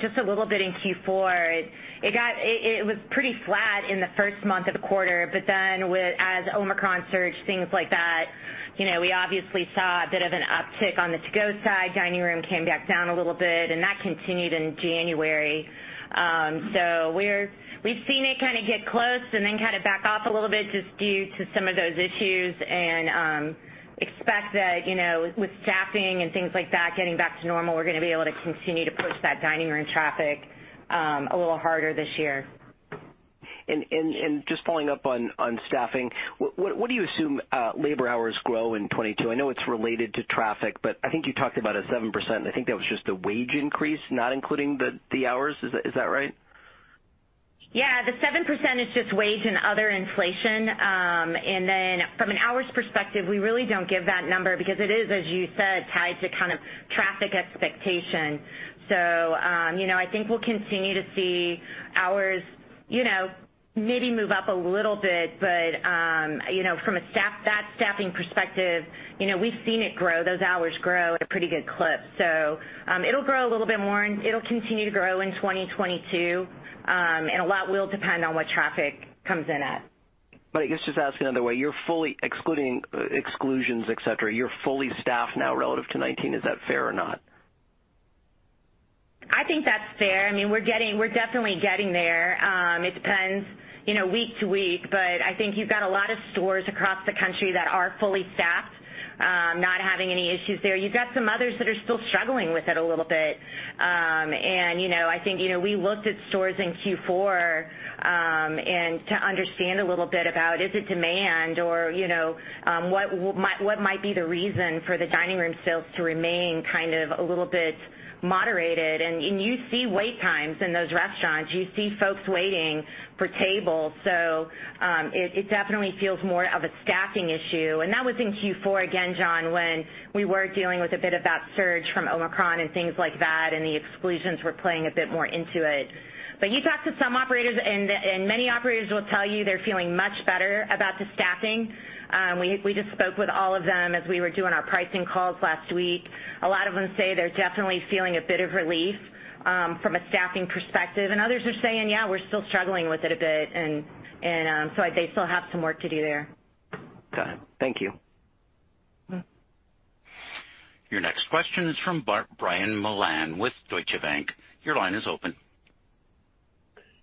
just a little bit in Q4. It was pretty flat in the first month of the quarter, but then as Omicron surged, things like that, you know, we obviously saw a bit of an uptick on the to-go side. Dining room came back down a little bit, and that continued in January. We've seen it kinda get close and then kinda back off a little bit just due to some of those issues and expect that, you know, with staffing and things like that getting back to normal, we're gonna be able to continue to push that dining room traffic a little harder this year. Just following up on staffing. What do you assume labor hours grow in 2022? I know it's related to traffic, but I think you talked about a 7%, and I think that was just the wage increase, not including the hours. Is that right? Yeah. The 7% is just wage and other inflation. From an hours perspective, we really don't give that number because it is, as you said, tied to kind of traffic expectation. You know, I think we'll continue to see hours, you know, maybe move up a little bit. You know, from a staff, that staffing perspective, you know, we've seen it grow, those hours grow at a pretty good clip. It'll grow a little bit more, and it'll continue to grow in 2022, and a lot will depend on what traffic comes in at. I guess just ask another way. You're fully excluding exclusions, et cetera. You're fully staffed now relative to 2019. Is that fair or not? I think that's fair. I mean, we're definitely getting there. It depends, you know, week to week, but I think you've got a lot of stores across the country that are fully staffed, not having any issues there. You've got some others that are still struggling with it a little bit. You know, I think we looked at stores in Q4 and to understand a little bit about is it demand or, you know, what might be the reason for the dining room sales to remain kind of a little bit moderated. You see wait times in those restaurants, you see folks waiting for tables, so it definitely feels more of a staffing issue. That was in Q4 again, John, when we were dealing with a bit of that surge from Omicron and things like that, and the exclusions were playing a bit more into it. You talk to some operators and many operators will tell you they're feeling much better about the staffing. We just spoke with all of them as we were doing our pricing calls last week. A lot of them say they're definitely feeling a bit of relief from a staffing perspective, and others are saying, "Yeah, we're still struggling with it a bit," so they still have some work to do there. Got it. Thank you. Your next question is from Brian Mullan with Deutsche Bank. Your line is open.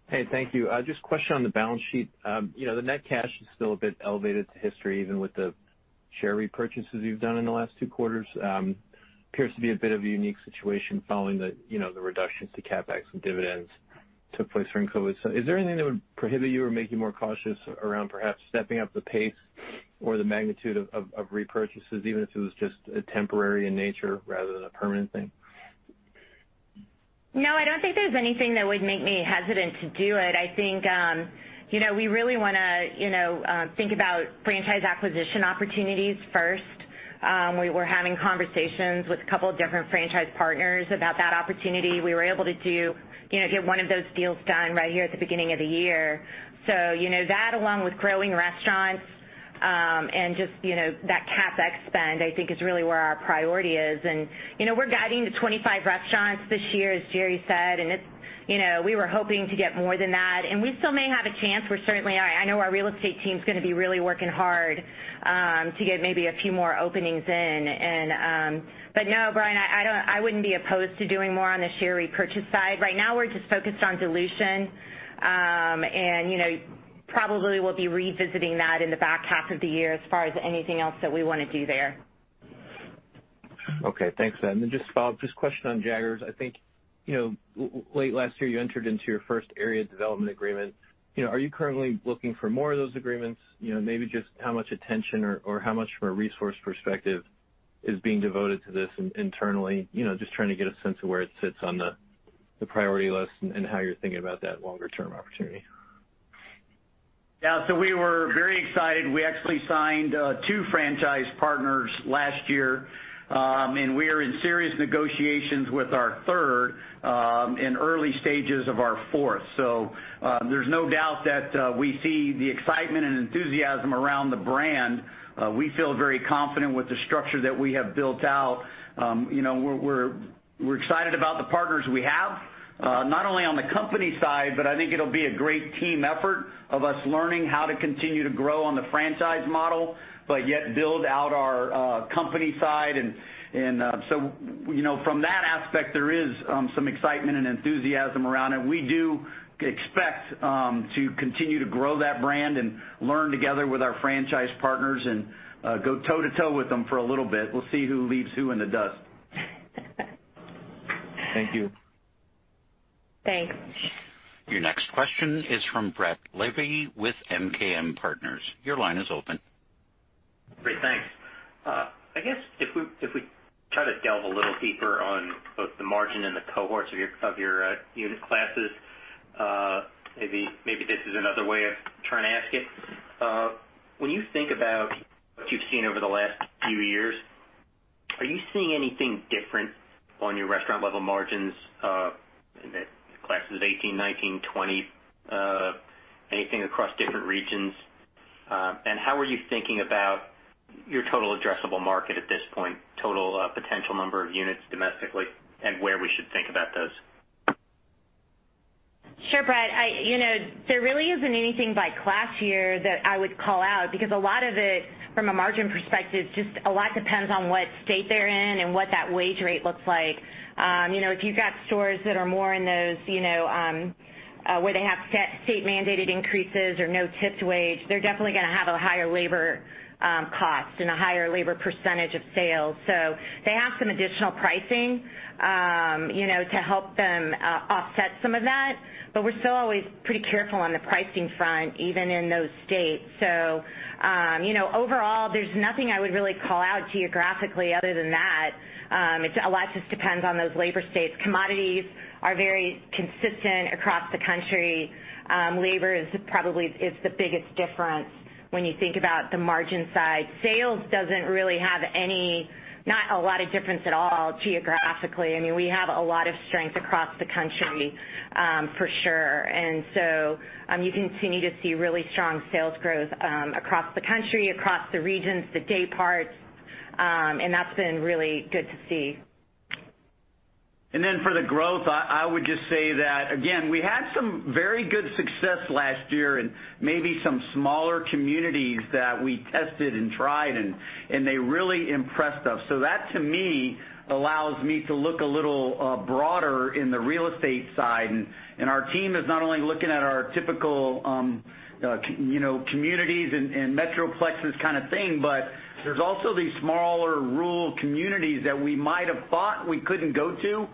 Hey, thank you. Just a question on the balance sheet. You know, the net cash is still a bit elevated to history, even with the share repurchases you've done in the last two quarters. Appears to be a bit of a unique situation following you know, the reductions to CapEx and dividends took place during COVID. Is there anything that would prohibit you or make you more cautious around perhaps stepping up the pace or the magnitude of repurchases, even if it was just temporary in nature rather than a permanent thing? No, I don't think there's anything that would make me hesitant to do it. I think, you know, we really wanna, you know, think about franchise acquisition opportunities first. We were having conversations with a couple different franchise partners about that opportunity. We were able to do, you know, get one of those deals done right here at the beginning of the year. You know, that along with growing restaurants, and just, you know, that CapEx spend, I think is really where our priority is. You know, we're guiding to 25 restaurants this year, as Jerry said, and it's, you know, we were hoping to get more than that, and we still may have a chance. We're certainly. I know our real estate team's gonna be really working hard to get maybe a few more openings in. No, Brian, I wouldn't be opposed to doing more on the share repurchase side. Right now, we're just focused on dilution. You know, probably we'll be revisiting that in the back half of the year as far as anything else that we wanna do there. Okay, thanks. Just follow up, just a question on Jaggers. I think, you know, late last year, you entered into your first area development agreement. You know, are you currently looking for more of those agreements? You know, maybe just how much attention or how much from a resource perspective is being devoted to this internally. You know, just trying to get a sense of where it sits on the priority list and how you're thinking about that longer term opportunity. Yeah. We were very excited. We actually signed two franchise partners last year, and we are in serious negotiations with our third, in early stages of our fourth. There's no doubt that we see the excitement and enthusiasm around the brand. We feel very confident with the structure that we have built out. You know, we're excited about the partners we have, not only on the company side, but I think it'll be a great team effort of us learning how to continue to grow on the franchise model, but yet build out our company side and so, you know, from that aspect, there is some excitement and enthusiasm around it. We do expect to continue to grow that brand and learn together with our franchise partners and go toe-to-toe with them for a little bit. We'll see who leaves who in the dust. Thank you. Thanks. Your next question is from Brett Levy with MKM Partners. Your line is open. Great. Thanks. I guess if we try to delve a little deeper on both the margin and the cohorts of your unit classes, maybe this is another way of trying to ask it. When you think about what you've seen over the last few years, are you seeing anything different on your restaurant level margins in the classes 18, 19, 20, anything across different regions? How are you thinking about your total addressable market at this point, total potential number of units domestically, and where we should think about those? Sure, Brett. You know, there really isn't anything by class year that I would call out because a lot of it from a margin perspective, just a lot depends on what state they're in and what that wage rate looks like. You know, if you've got stores that are more in those, you know, where they have set state mandated increases or no tipped wage, they're definitely gonna have a higher labor, cost and a higher labor percentage of sales. They have some additional pricing, you know, to help them, offset some of that. We're still always pretty careful on the pricing front, even in those states. You know, overall, there's nothing I would really call out geographically other than that. It's a lot just depends on those labor states. Commodities are very consistent across the country. Labor is probably the biggest difference when you think about the margin side. Sales doesn't really have a lot of difference at all geographically. I mean, we have a lot of strength across the country, for sure. You continue to see really strong sales growth across the country, across the regions, the day parts, and that's been really good to see. Then for the growth, I would just say that, again, we had some very good success last year in maybe some smaller communities that we tested and tried and they really impressed us. That to me allows me to look a little broader in the real estate side. Our team is not only looking at our typical, you know, communities and metroplexes kind of thing, but there's also these smaller rural communities that we might have thought we couldn't go to,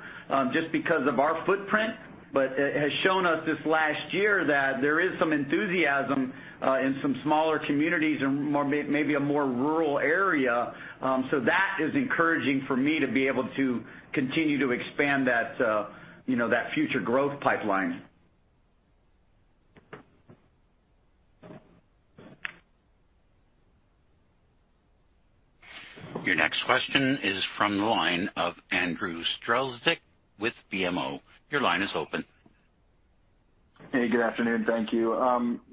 just because of our footprint. It has shown us this last year that there is some enthusiasm in some smaller communities or maybe a more rural area. That is encouraging for me to be able to continue to expand that, you know, that future growth pipeline. Your next question is from the line of Andrew Strelzik with BMO. Your line is open. Hey, good afternoon. Thank you.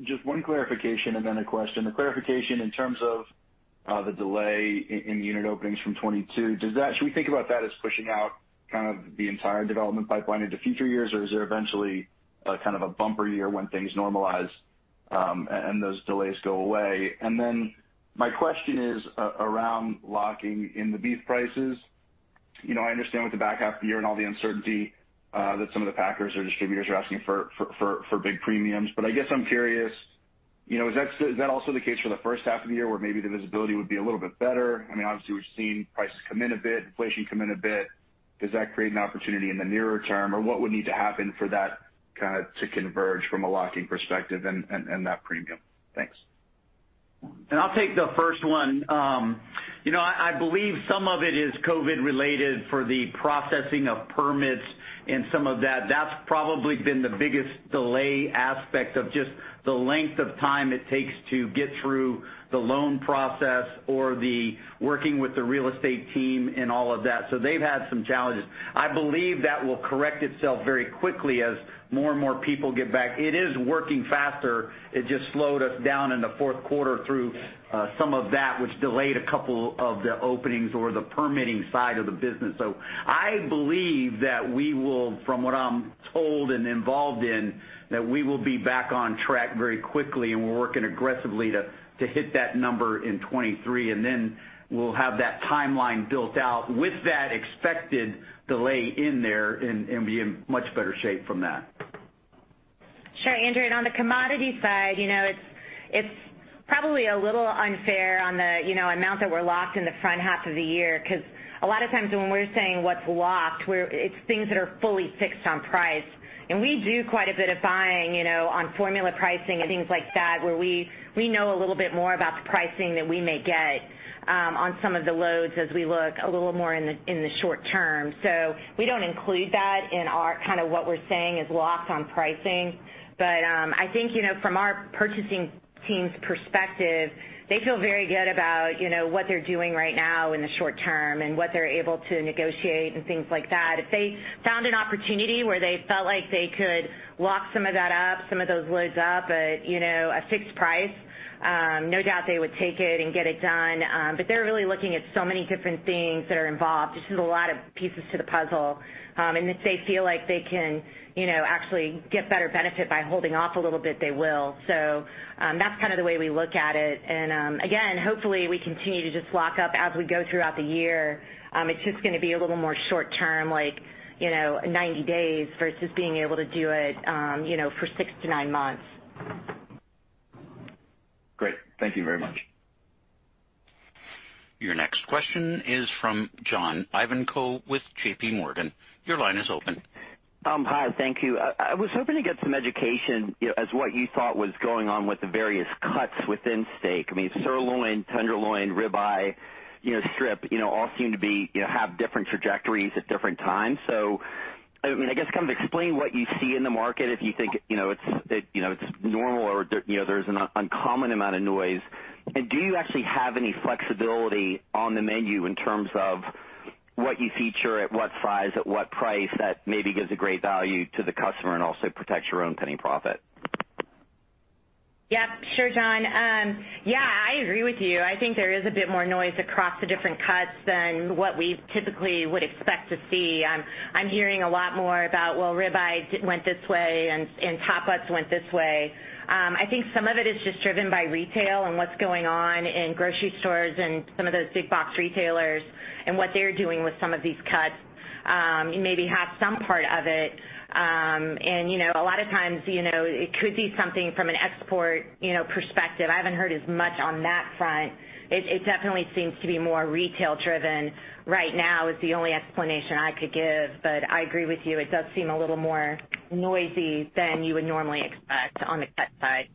Just one clarification and then a question. The clarification in terms of the delay in unit openings from 2022, should we think about that as pushing out kind of the entire development pipeline into future years? Or is there eventually a kind of a bumper year when things normalize, and those delays go away? And then my question is around locking in the beef prices. You know, I understand with the back half of the year and all the uncertainty that some of the packers or distributors are asking for big premiums. But I guess I'm curious, you know, is that also the case for the first half of the year where maybe the visibility would be a little bit better? I mean, obviously, we've seen prices come in a bit, inflation come in a bit. Does that create an opportunity in the nearer term? Or what would need to happen for that kinda to converge from a locking perspective and that premium? Thanks. I'll take the first one. You know, I believe some of it is COVID related for the processing of permits and some of that. That's probably been the biggest delay aspect of just the length of time it takes to get through the loan process or the working with the real estate team and all of that. They've had some challenges. I believe that will correct itself very quickly as more and more people get back. It is working faster. It just slowed us down in the fourth quarter through some of that which delayed a couple of the openings or the permitting side of the business. I believe, from what I'm told and involved in, we will be back on track very quickly, and we're working aggressively to hit that number in 2023. And then, we'll have that timeline built out with that expected delay in there and be in much better shape from that. Sure, Andrew. On the commodity side, you know, it's probably a little unfair on the amount that we're locked in the front half of the year, 'cause a lot of times when we're saying what's locked, it's things that are fully fixed on price. We do quite a bit of buying, you know, on formula pricing and things like that, where we know a little bit more about the pricing that we may get on some of the loads as we look a little more in the short term. We don't include that in our kind of what we're saying is locked on pricing. I think, you know, from our purchasing team's perspective, they feel very good about, you know, what they're doing right now in the short term and what they're able to negotiate and things like that. If they found an opportunity where they felt like they could lock some of that up, some of those loads up at, you know, a fixed price, no doubt they would take it and get it done. They're really looking at so many different things that are involved. This is a lot of pieces to the puzzle. If they feel like they can, you know, actually get better benefit by holding off a little bit, they will. That's kind of the way we look at it. Again, hopefully we continue to just lock up as we go throughout the year. It's just gonna be a little more short-term, like, you know, 90 days versus being able to do it, you know, for six to nine months. Great. Thank you very much. Your next question is from John Ivankoe with JPMorgan. Your line is open. Hi. Thank you. I was hoping to get some education, you know, as what you thought was going on with the various cuts within steak. I mean, sirloin, tenderloin, ribeye, you know, strip, you know, all seem to be, you know, have different trajectories at different times. I mean, I guess kind of explain what you see in the market if you think, you know, it's normal or you know, there's an uncommon amount of noise. Do you actually have any flexibility on the menu in terms of what you feature at what size, at what price that maybe gives a great value to the customer and also protects your own penny profit? Yep. Sure, Jon. Yeah, I agree with you. I think there is a bit more noise across the different cuts than what we typically would expect to see. I'm hearing a lot more about, well, ribeye went this way and top butts went this way. I think some of it is just driven by retail and what's going on in grocery stores and some of those big box retailers and what they're doing with some of these cuts, and maybe have some part of it. You know, a lot of times, you know, it could be something from an export, you know, perspective. I haven't heard as much on that front. It definitely seems to be more retail driven right now is the only explanation I could give, but I agree with you, it does seem a little more noisy than you would normally expect on the cut side.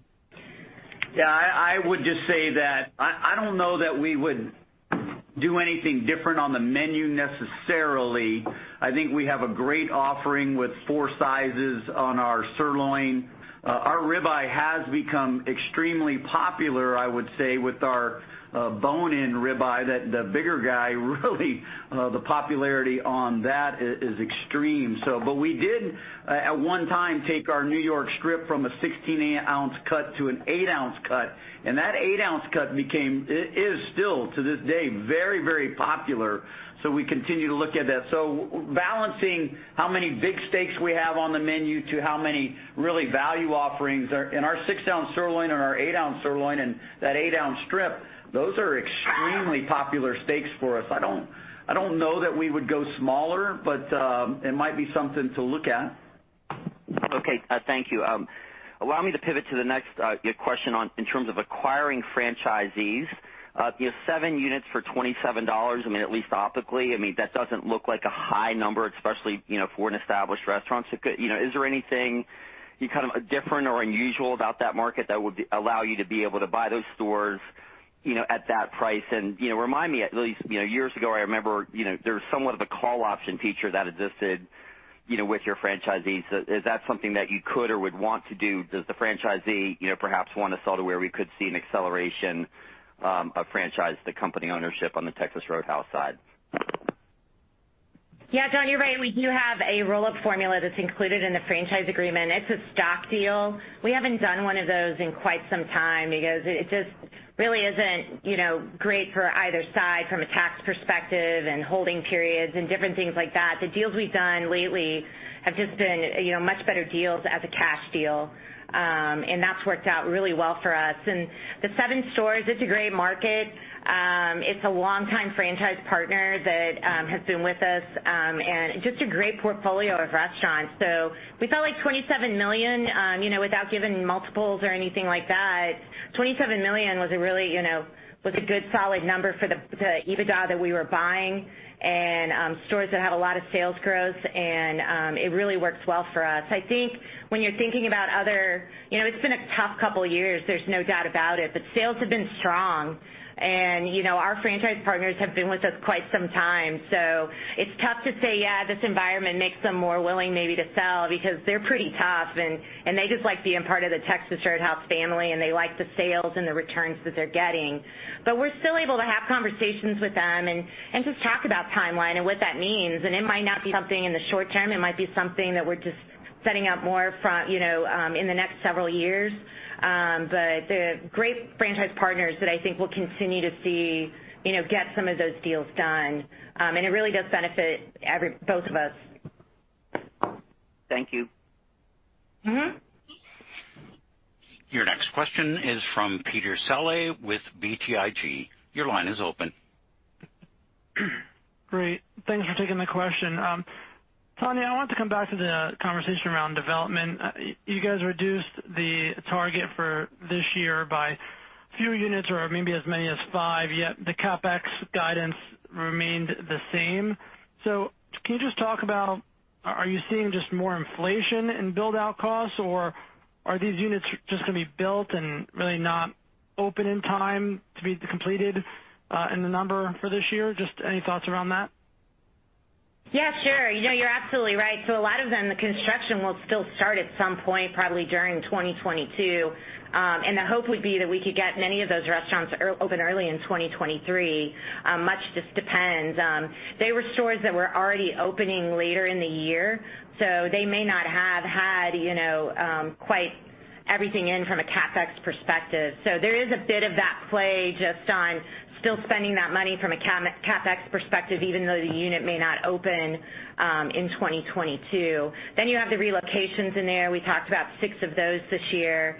Yeah, I would just say that I don't know that we would do anything different on the menu necessarily. I think we have a great offering with four sizes on our sirloin. Our rib eye has become extremely popular, I would say, with our bone-in rib eye, that the bigger guy really the popularity on that is extreme. We did at one time take our New York strip from a 16 oz cut to an 8 oz cut, and that 8 oz cut became. It is still to this day very, very popular. We continue to look at that. Balancing how many big steaks we have on the menu to how many really value offerings are. Our 6 oz sirloin and our 8 oz sirloin and that 8 oz strip, those are extremely popular steaks for us. I don't know that we would go smaller, but it might be something to look at. Okay. Thank you. Allow me to pivot to the next question on, in terms of acquiring franchisees. You have seven units for $27 million, I mean, at least optically. I mean, that doesn't look like a high number, especially, you know, for an established restaurant. You know, is there anything kind of different or unusual about that market that would allow you to be able to buy those stores, you know, at that price? You know, remind me at least, you know, years ago, I remember, you know, there was somewhat of a call option feature that existed, you know, with your franchisees. Is that something that you could or would want to do? Does the franchisee, you know, perhaps want to sell to where we could see an acceleration of franchise to company ownership on the Texas Roadhouse side? Yeah, John, you're right. We do have a roll-up formula that's included in the franchise agreement. It's a stock deal. We haven't done one of those in quite some time because it just really isn't, you know, great for either side from a tax perspective and holding periods and different things like that. The deals we've done lately have just been, you know, much better deals as a cash deal. And that's worked out really well for us. The seven stores, it's a great market. It's a longtime franchise partner that has been with us and just a great portfolio of restaurants. So, we felt like $27 million, you know, without giving multiples or anything like that, $27 million was a really, you know, was a good solid number for the EBITDA that we were buying and stores that have a lot of sales growth and it really works well for us. I think when you're thinking about other. You know, it's been a tough couple years, there's no doubt about it, but sales have been strong. Our franchise partners have been with us quite some time. It's tough to say, yeah, this environment makes them more willing maybe to sell because they're pretty tough and they just like being part of the Texas Roadhouse family, and they like the sales and the returns that they're getting. We're still able to have conversations with them and just talk about timeline and what that means. It might not be something in the short term, it might be something that we're just setting up more, you know, in the next several years. They're great franchise partners that I think we'll continue to see, you know, get some of those deals done. It really does benefit both of us. Thank you. Your next question is from Peter Saleh with BTIG. Your line is open. Great. Thanks for taking the question. Tonya, I want to come back to the conversation around development. You guys reduced the target for this year by few units or maybe as many as 5, yet the CapEx guidance remained the same. Can you just talk about are you seeing just more inflation in build out costs, or are these units just gonna be built and really not open in time to be completed in the number for this year? Just any thoughts around that? Yeah, sure. You know, you're absolutely right. A lot of them, the construction will still start at some point, probably during 2022. The hope would be that we could get many of those restaurants open early in 2023. Much just depends. They were stores that were already opening later in the year, so they may not have had, you know, quite everything in from a CapEx perspective. There is a bit of that play just on still spending that money from a CapEx perspective, even though the unit may not open in 2022. Then you have the relocations in there. We talked about six of those this year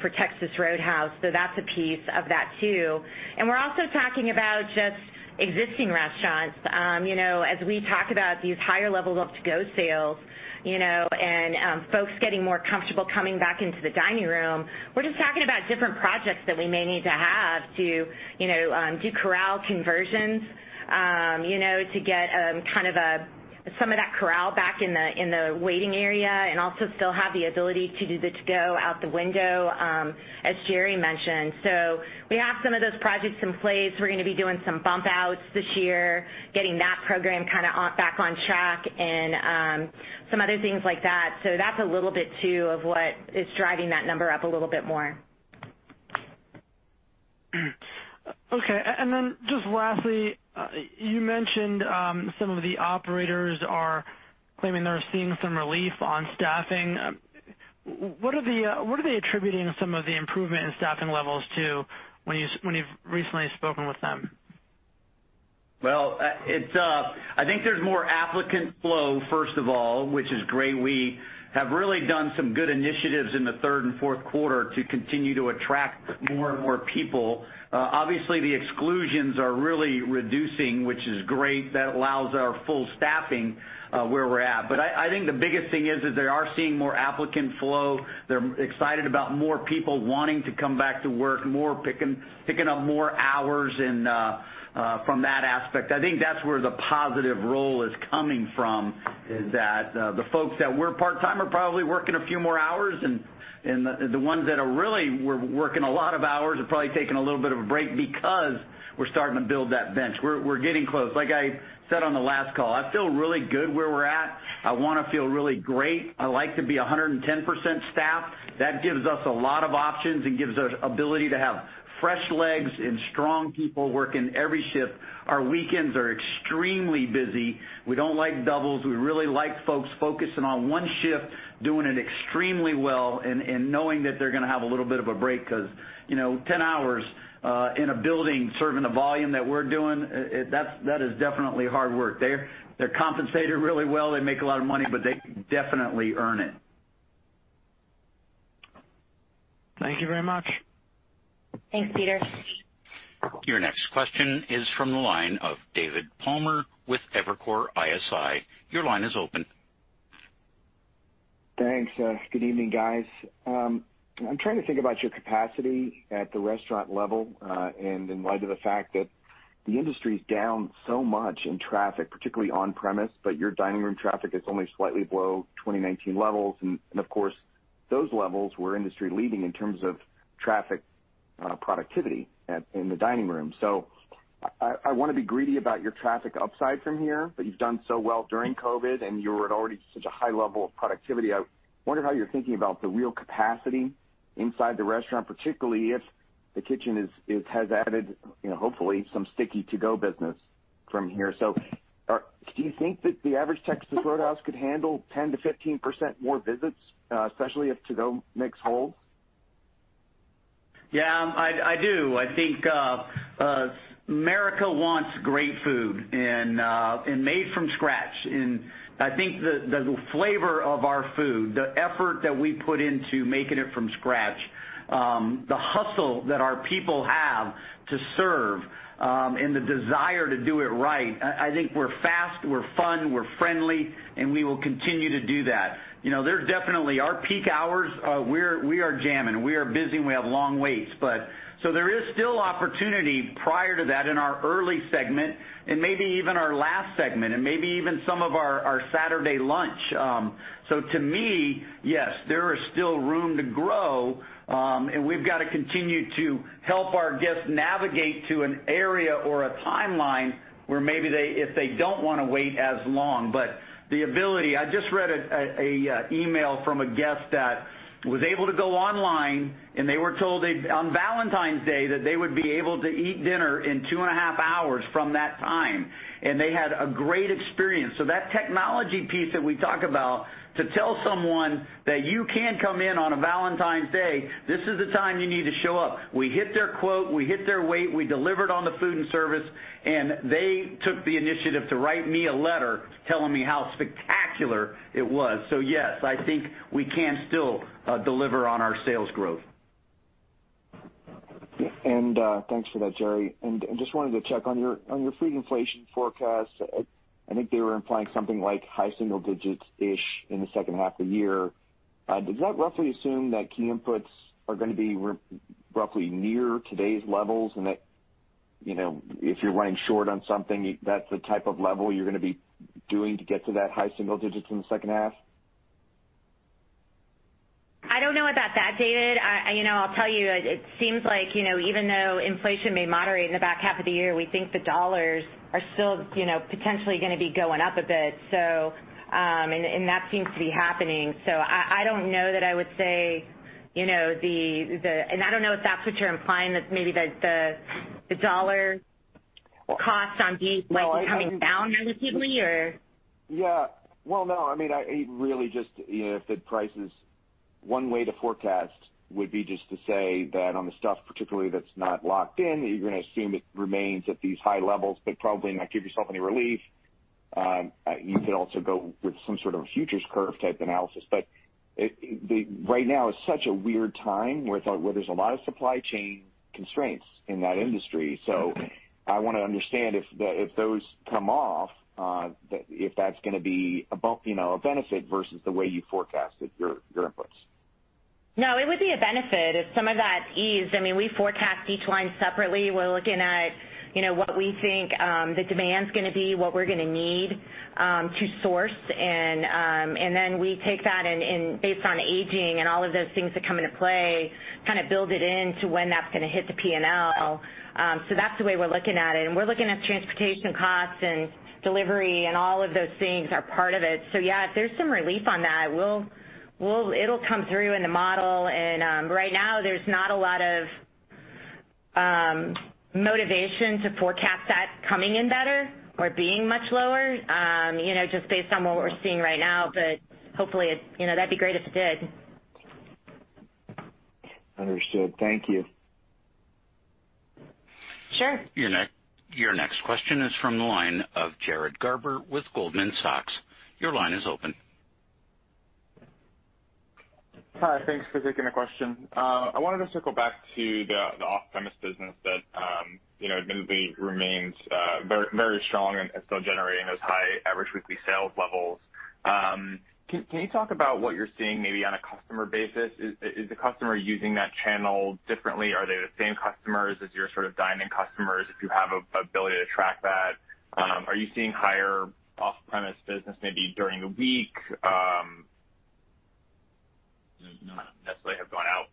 for Texas Roadhouse, so that's a piece of that too. We're also talking about just existing restaurants. You know, as we talk about these higher levels of to-go sales, you know, and folks getting more comfortable coming back into the dining room, we're just talking about different projects that we may need to have to, you know, do corral conversions, you know, to get kind of some of that corral back in the waiting area and also still have the ability to do the to-go out the window, as Jerry mentioned. So we have some of those projects in place. We're gonna be doing some bump outs this year, getting that program kind of back on track and some other things like that. So that's a little bit of what is driving that number up a little bit more. Okay. Just lastly, you mentioned some of the operators are claiming they're seeing some relief on staffing. What are they attributing some of the improvement in staffing levels to when you've recently spoken with them? Well, I think there's more applicant flow, first of all, which is great. We have really done some good initiatives in the third and fourth quarter to continue to attract more and more people. Obviously, the exclusions are really reducing, which is great. That allows our full staffing, where we're at. I think the biggest thing is that they are seeing more applicant flow. They're excited about more people wanting to come back to work, more picking up more hours and from that aspect. I think that's where the positive role is coming from, is that the folks that were part-time are probably working a few more hours, and the ones that were working a lot of hours are probably taking a little bit of a break because we're starting to build that bench. We're getting close. Like I said on the last call, I feel really good where we're at. I wanna feel really great. I like to be 110% staffed. That gives us a lot of options and gives us ability to have fresh legs and strong people working every shift. Our weekends are extremely busy. We don't like doubles. We really like folks focusing on one shift, doing it extremely well and knowing that they're gonna have a little bit of a break because, you know, 10 hours in a building serving the volume that we're doing, that is definitely hard work. They're compensated really well. They make a lot of money, but they definitely earn it. Thank you very much. Thanks, Peter. Your next question is from the line of David Palmer with Evercore ISI. Your line is open. Thanks. Good evening, guys. I'm trying to think about your capacity at the restaurant level, and in light of the fact that the industry's down so much in traffic, particularly on premise, but your dining room traffic is only slightly below 2019 levels. Of course, those levels were industry leading in terms of traffic, productivity in the dining room. I wanna be greedy about your traffic upside from here, but you've done so well during COVID, and you were at already such a high level of productivity. I wonder how you're thinking about the real capacity inside the restaurant, particularly if the kitchen has added, you know, hopefully some sticky to-go business from here. Do you think that the average Texas Roadhouse could handle 10%-15% more visits, especially if to-go mix hold? Yeah, I do. I think America wants great food and made from scratch. I think the flavor of our food, the effort that we put into making it from scratch, the hustle that our people have to serve, and the desire to do it right. I think we're fast, we're fun, we're friendly, and we will continue to do that. You know, there's definitely our peak hours. We are jamming. We are busy, and we have long waits, but so there is still opportunity prior to that in our early segment and maybe even our last segment and maybe even some of our Saturday lunch. So, to me, yes, there is still room to grow, and we've got to continue to help our guests navigate to an area or a timeline where maybe they, if they don't wanna wait as long. I just read an email from a guest that was able to go online, and they were told, on Valentine's Day, that they would be able to eat dinner in two and a half hours from that time, and they had a great experience. That technology piece that we talk about to tell someone that you can come in on a Valentine's Day, this is the time you need to show up. We hit their quote, we hit their wait, we delivered on the food and service, and they took the initiative to write me a letter telling me how spectacular it was. So, yes, I think we can still deliver on our sales growth. Thanks for that, Jerry. Just wanted to check on your food inflation forecast. I think they were implying something like high single digits-ish in the second half of the year. Does that roughly assume that key inputs are gonna be roughly near today's levels and that, you know, if you're running short on something, that's the type of level you're gonna be doing to get to that high single digits in the second half? I don't know about that, David. I, you know, I'll tell you, it seems like, you know, even though inflation may moderate in the back half of the year, we think the dollars are still, you know, potentially gonna be going up a bit. And that seems to be happening. I don't know that I would say, you know, and I don't know if that's what you're implying, that maybe the dollar costs on beef might be coming down relatively or. Well, no, I mean, really just, you know, if the price is one way to forecast would be just to say that on the stuff particularly that's not locked in, you're gonna assume it remains at these high levels, but probably not give yourself any relief. You could also go with some sort of futures curve type analysis. Right now is such a weird time where there's a lot of supply chain constraints in that industry. I wanna understand if those come off, if that's gonna be a benefit, you know, versus the way you forecasted your inputs. No, it would be a benefit if some of that eased. I mean, we forecast each line separately. We're looking at, you know, what we think the demand's gonna be, what we're gonna need to source. Then we take that and based on aging and all of those things that come into play, kind of build it in to when that's gonna hit the P&L. That's the way we're looking at it. We're looking at transportation costs and delivery and all of those things are part of it. Yeah, if there's some relief on that, we'll, it'll come through in the model. Right now there's not a lot of motivation to forecast that coming in better or being much lower, you know, just based on what we're seeing right now. But, hopefully, it's, you know, that'd be great if it did. Understood. Thank you. Sure. Your next question is from the line of Jared Garber with Goldman Sachs. Your line is open. Hi. Thanks for taking the question. I wanted us to go back to the off-premise business that admittedly remains very strong and still generating those high average weekly sales levels. Can you talk about what you're seeing maybe on a customer basis? Is the customer using that channel differently? Are they the same customers as your sort of dine-in customers, if you have ability to track that? Are you seeing higher off-premise business maybe during the week that might not necessarily have gone out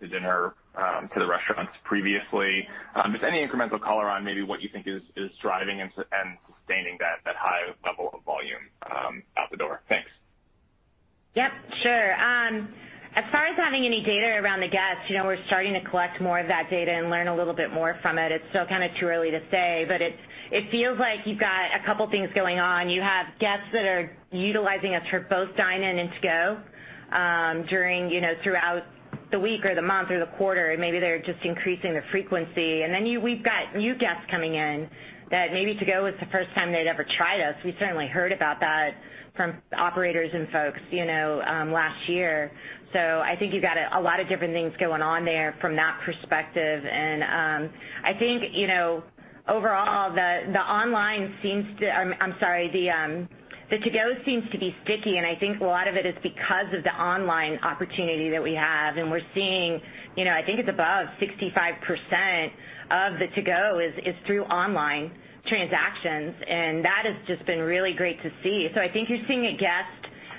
to dinner to the restaurants previously? Just any incremental color on maybe what you think is driving and sustaining that high level of volume out the door. Thanks. Yep, sure. As far as having any data around the guests, you know, we're starting to collect more of that data and learn a little bit more from it. It's still kinda too early to say, but it feels like you've got a couple things going on. You have guests that are utilizing us for both dine-in and to-go, during, you know, throughout the week or the month or the quarter, and maybe they're just increasing the frequency. We've got new guests coming in that maybe to-go was the first time they'd ever tried us. We certainly heard about that from operators and folks, you know, last year. I think you got a lot of different things going on there from that perspective. I think, you know, overall, the online seems to. The to-go seems to be sticky, and I think a lot of it is because of the online opportunity that we have. We're seeing, you know, I think it's above 65% of the to-go is through online transactions, and that has just been really great to see. I think you're seeing a guest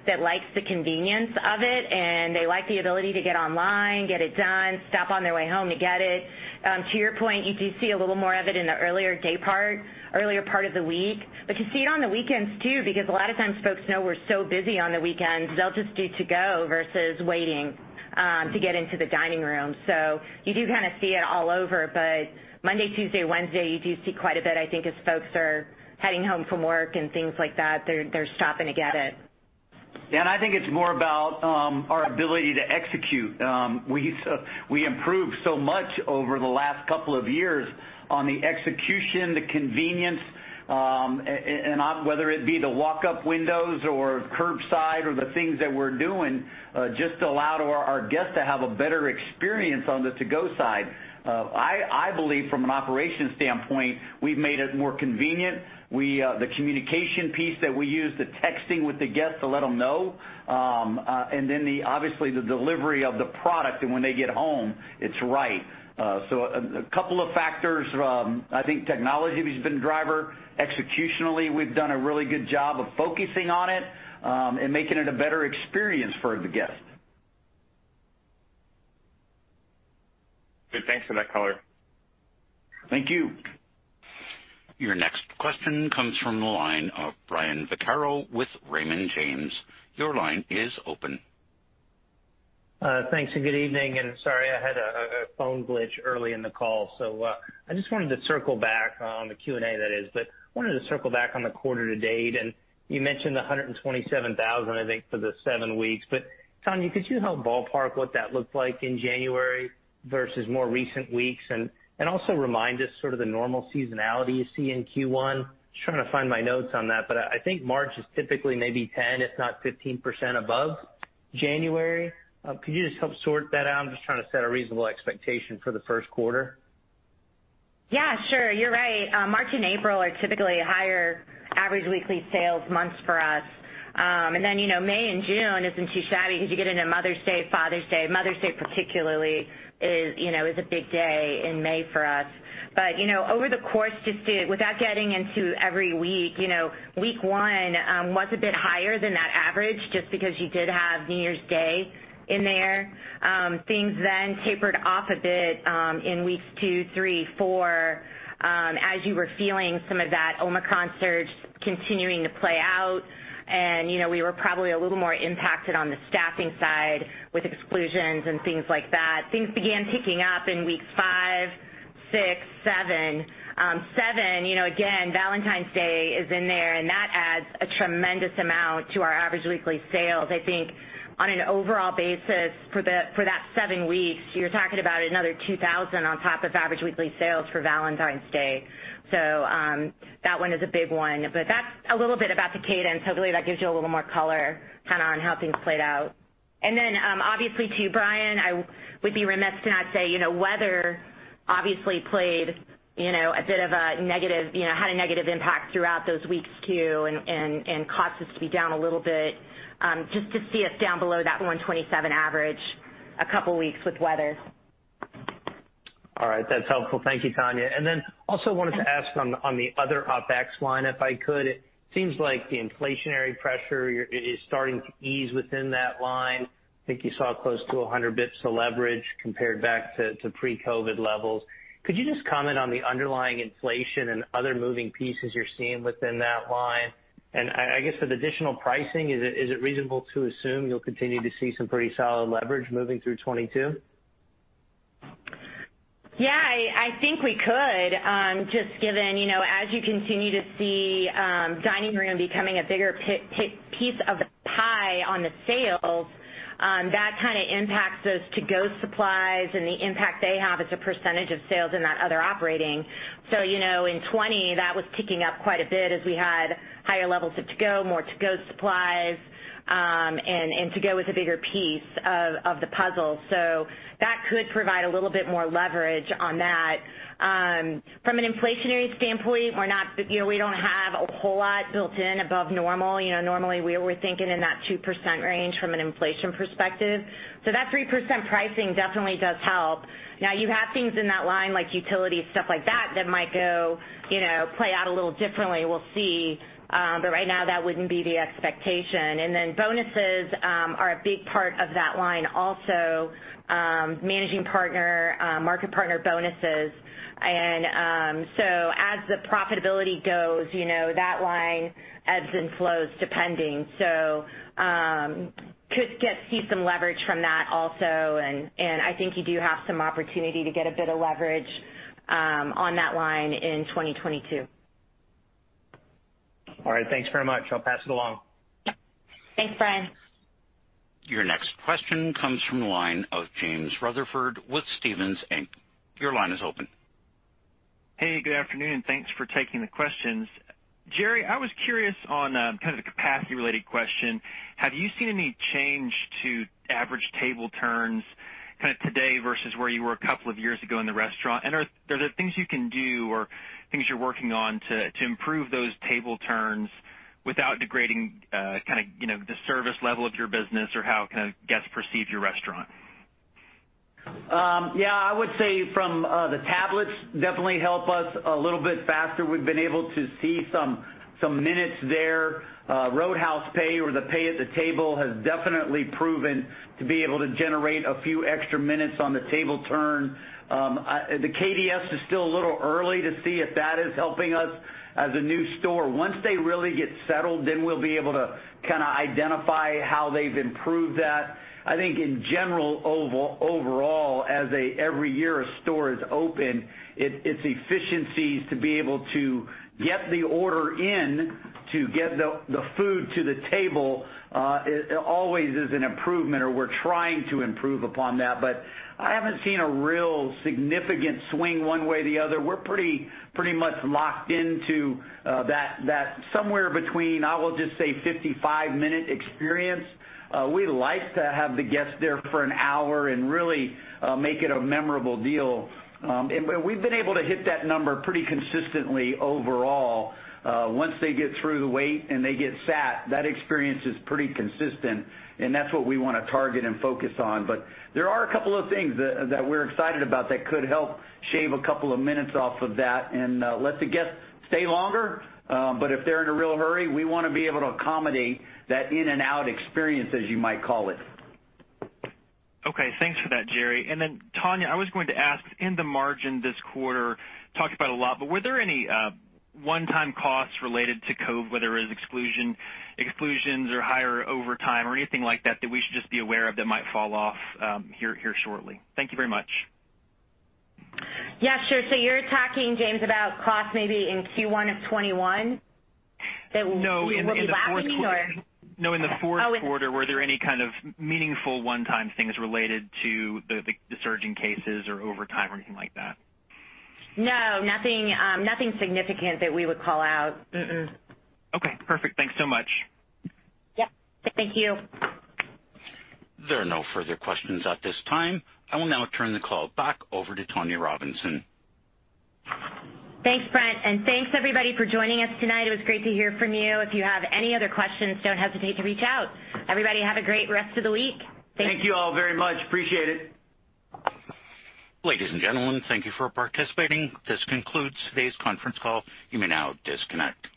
that likes the convenience of it, and they like the ability to get online, get it done, stop on their way home to get it. To your point, you do see a little more of it in the earlier day part, earlier part of the week. You see it on the weekends too, because a lot of times folks know we're so busy on the weekends, they'll just do to-go versus waiting to get into the dining room. You do kinda see it all over. Monday, Tuesday, Wednesday, you do see quite a bit, I think, as folks are heading home from work and things like that. They're stopping to get it. I think it's more about our ability to execute. We improved so much over the last couple of years on the execution, the convenience, and on whether it be the walk-up windows or curbside or the things that we're doing just to allow our guests to have a better experience on the to-go side. I believe from an operations standpoint, we've made it more convenient. We the communication piece that we use, the texting with the guests to let them know and then obviously the delivery of the product and when they get home it's right. A couple of factors. I think technology has been a driver. Executionally, we've done a really good job of focusing on it and making it a better experience for the guest. Good. Thanks for that color. Thank you. Your next question comes from the line of Brian Vaccaro with Raymond James. Your line is open. Thanks and good evening. Sorry, I had a phone glitch early in the call, so I just wanted to circle back on the quarter to date. You mentioned the $127,000, I think, for the seven weeks. Tonya, could you help ballpark what that looked like in January versus more recent weeks? Also remind us sort of the normal seasonality you see in Q1. Just trying to find my notes on that, but I think March is typically maybe 10%, if not 15% above January. Could you just help sort that out? I'm just trying to set a reasonable expectation for the first quarter. Yeah, sure. You're right. March and April are typically higher average weekly sales months for us. Then, you know, May and June isn't too shabby because you get into Mother's Day, Father's Day. Mother's Day particularly is, you know, a big day in May for us. Over the course without getting into every week, you know, week one was a bit higher than that average just because you did have New Year's Day in there. Things then tapered off a bit in weeks two, three, four as you were feeling some of that Omicron surge continuing to play out. You know, we were probably a little more impacted on the staffing side with exclusions and things like that. Things began picking up in weeks five, six, seven. Seven, you know, again, Valentine's Day is in there, and that adds a tremendous amount to our average weekly sales. I think on an overall basis for that 7 weeks, you're talking about another $2,000 on top of average weekly sales for Valentine's Day. That one is a big one. But that's a little bit about the cadence. Hopefully, that gives you a little more color kind of on how things played out. Then, obviously too, Brian, I would be remiss to not say, you know, weather obviously had a negative impact throughout those weeks too, and caused us to be down a little bit, just to see us down below that $127 average a couple weeks with weather. All right. That's helpful. Thank you, Tonya. Also wanted to ask on the other OpEx line if I could. It seems like the inflationary pressure is starting to ease within that line. I think you saw close to 100 basis points of leverage compared back to pre-COVID levels. Could you just comment on the underlying inflation and other moving pieces you're seeing within that line? I guess with additional pricing, is it reasonable to assume you'll continue to see some pretty solid leverage moving through 2022? Yeah. I think we could, just given, you know, as you continue to see, dining room becoming a bigger piece of the pie on the sales, that kind of impacts those to-go supplies and the impact they have as a percentage of sales in that other operating. You know, in 2020 that was ticking up quite a bit as we had higher levels of to-go, more to-go supplies, and to-go was a bigger piece of the puzzle. That could provide a little bit more leverage on that. From an inflationary standpoint, we're not, you know, we don't have a whole lot built in above normal. You know, normally we're thinking in that 2% range from an inflation perspective. That 3% pricing definitely does help. Now you have things in that line like utilities, stuff like that might go, you know, play out a little differently. We'll see. Right now that wouldn't be the expectation. Bonuses are a big part of that line also, Managing Partner, Market Partner bonuses. As the profitability goes, you know, that line ebbs and flows depending. You could see some leverage from that also. I think you do have some opportunity to get a bit of leverage on that line in 2022. All right. Thanks very much. I'll pass it along. Thanks, Brian. Your next question comes from the line of James Rutherford with Stephens Inc. Your line is open. Hey, good afternoon, and thanks for taking the questions. Jerry, I was curious on, kind of the capacity related question. Have you seen any change to average table turns kind of today versus where you were a couple of years ago in the restaurant? Are there things you can do or things you're working on to improve those table turns without degrading, kind of, the service level of your business or how kind of guests perceive your restaurant? Yeah. I would say from, the tablets definitely help us a little bit faster. We've been able to see some minutes there. Roadhouse Pay or the pay at the table has definitely proven to be able to generate a few extra minutes on the table turn. The KDS is still a little early to see if that is helping us as a new store. Once they really get settled, we'll be able to kind of identify how they've improved that. I think in general, overall, as every year a store is open, it's efficiencies to be able to get the order in, to get the food to the table, always is an improvement, or we're trying to improve upon that. I haven't seen a real significant swing one way or the other. We're pretty much locked into that somewhere between, I will just say 55-minute experience. We like to have the guests there for an hour and really make it a memorable deal. We've been able to hit that number pretty consistently overall. Once they get through the wait and they get sat, that experience is pretty consistent, and that's what we wanna target and focus on. There are a couple of things that we're excited about that could help shave a couple of minutes off of that and lets the guests stay longer. If they're in a real hurry, we wanna be able to accommodate that in-and-out experience, as you might call it. Okay. Thanks for that, Jerry. Tonya, I was going to ask, in the margin this quarter, talked about a lot, but were there any one-time costs related to COVID, whether it was exclusions or higher overtime or anything like that that we should just be aware of that might fall off here shortly? Thank you very much. Yeah, sure. You're talking, James, about costs maybe in Q1 of 2021 that w- No, in the fourth- Will be lapping or? No, in the fourth quarter. In- Were there any kind of meaningful one-time things related to the surging cases or overtime or anything like that? No, nothing significant that we would call out. Okay, perfect. Thanks so much. Yep. Thank you. There are no further questions at this time. I will now turn the call back over to Tonya Robinson. Thanks, Brent, and thanks everybody for joining us tonight. It was great to hear from you. If you have any other questions, don't hesitate to reach out. Everybody, have a great rest of the week. Thank you. Thank you all very much. Appreciate it. Ladies and gentlemen, thank you for participating. This concludes today's conference call. You may now disconnect.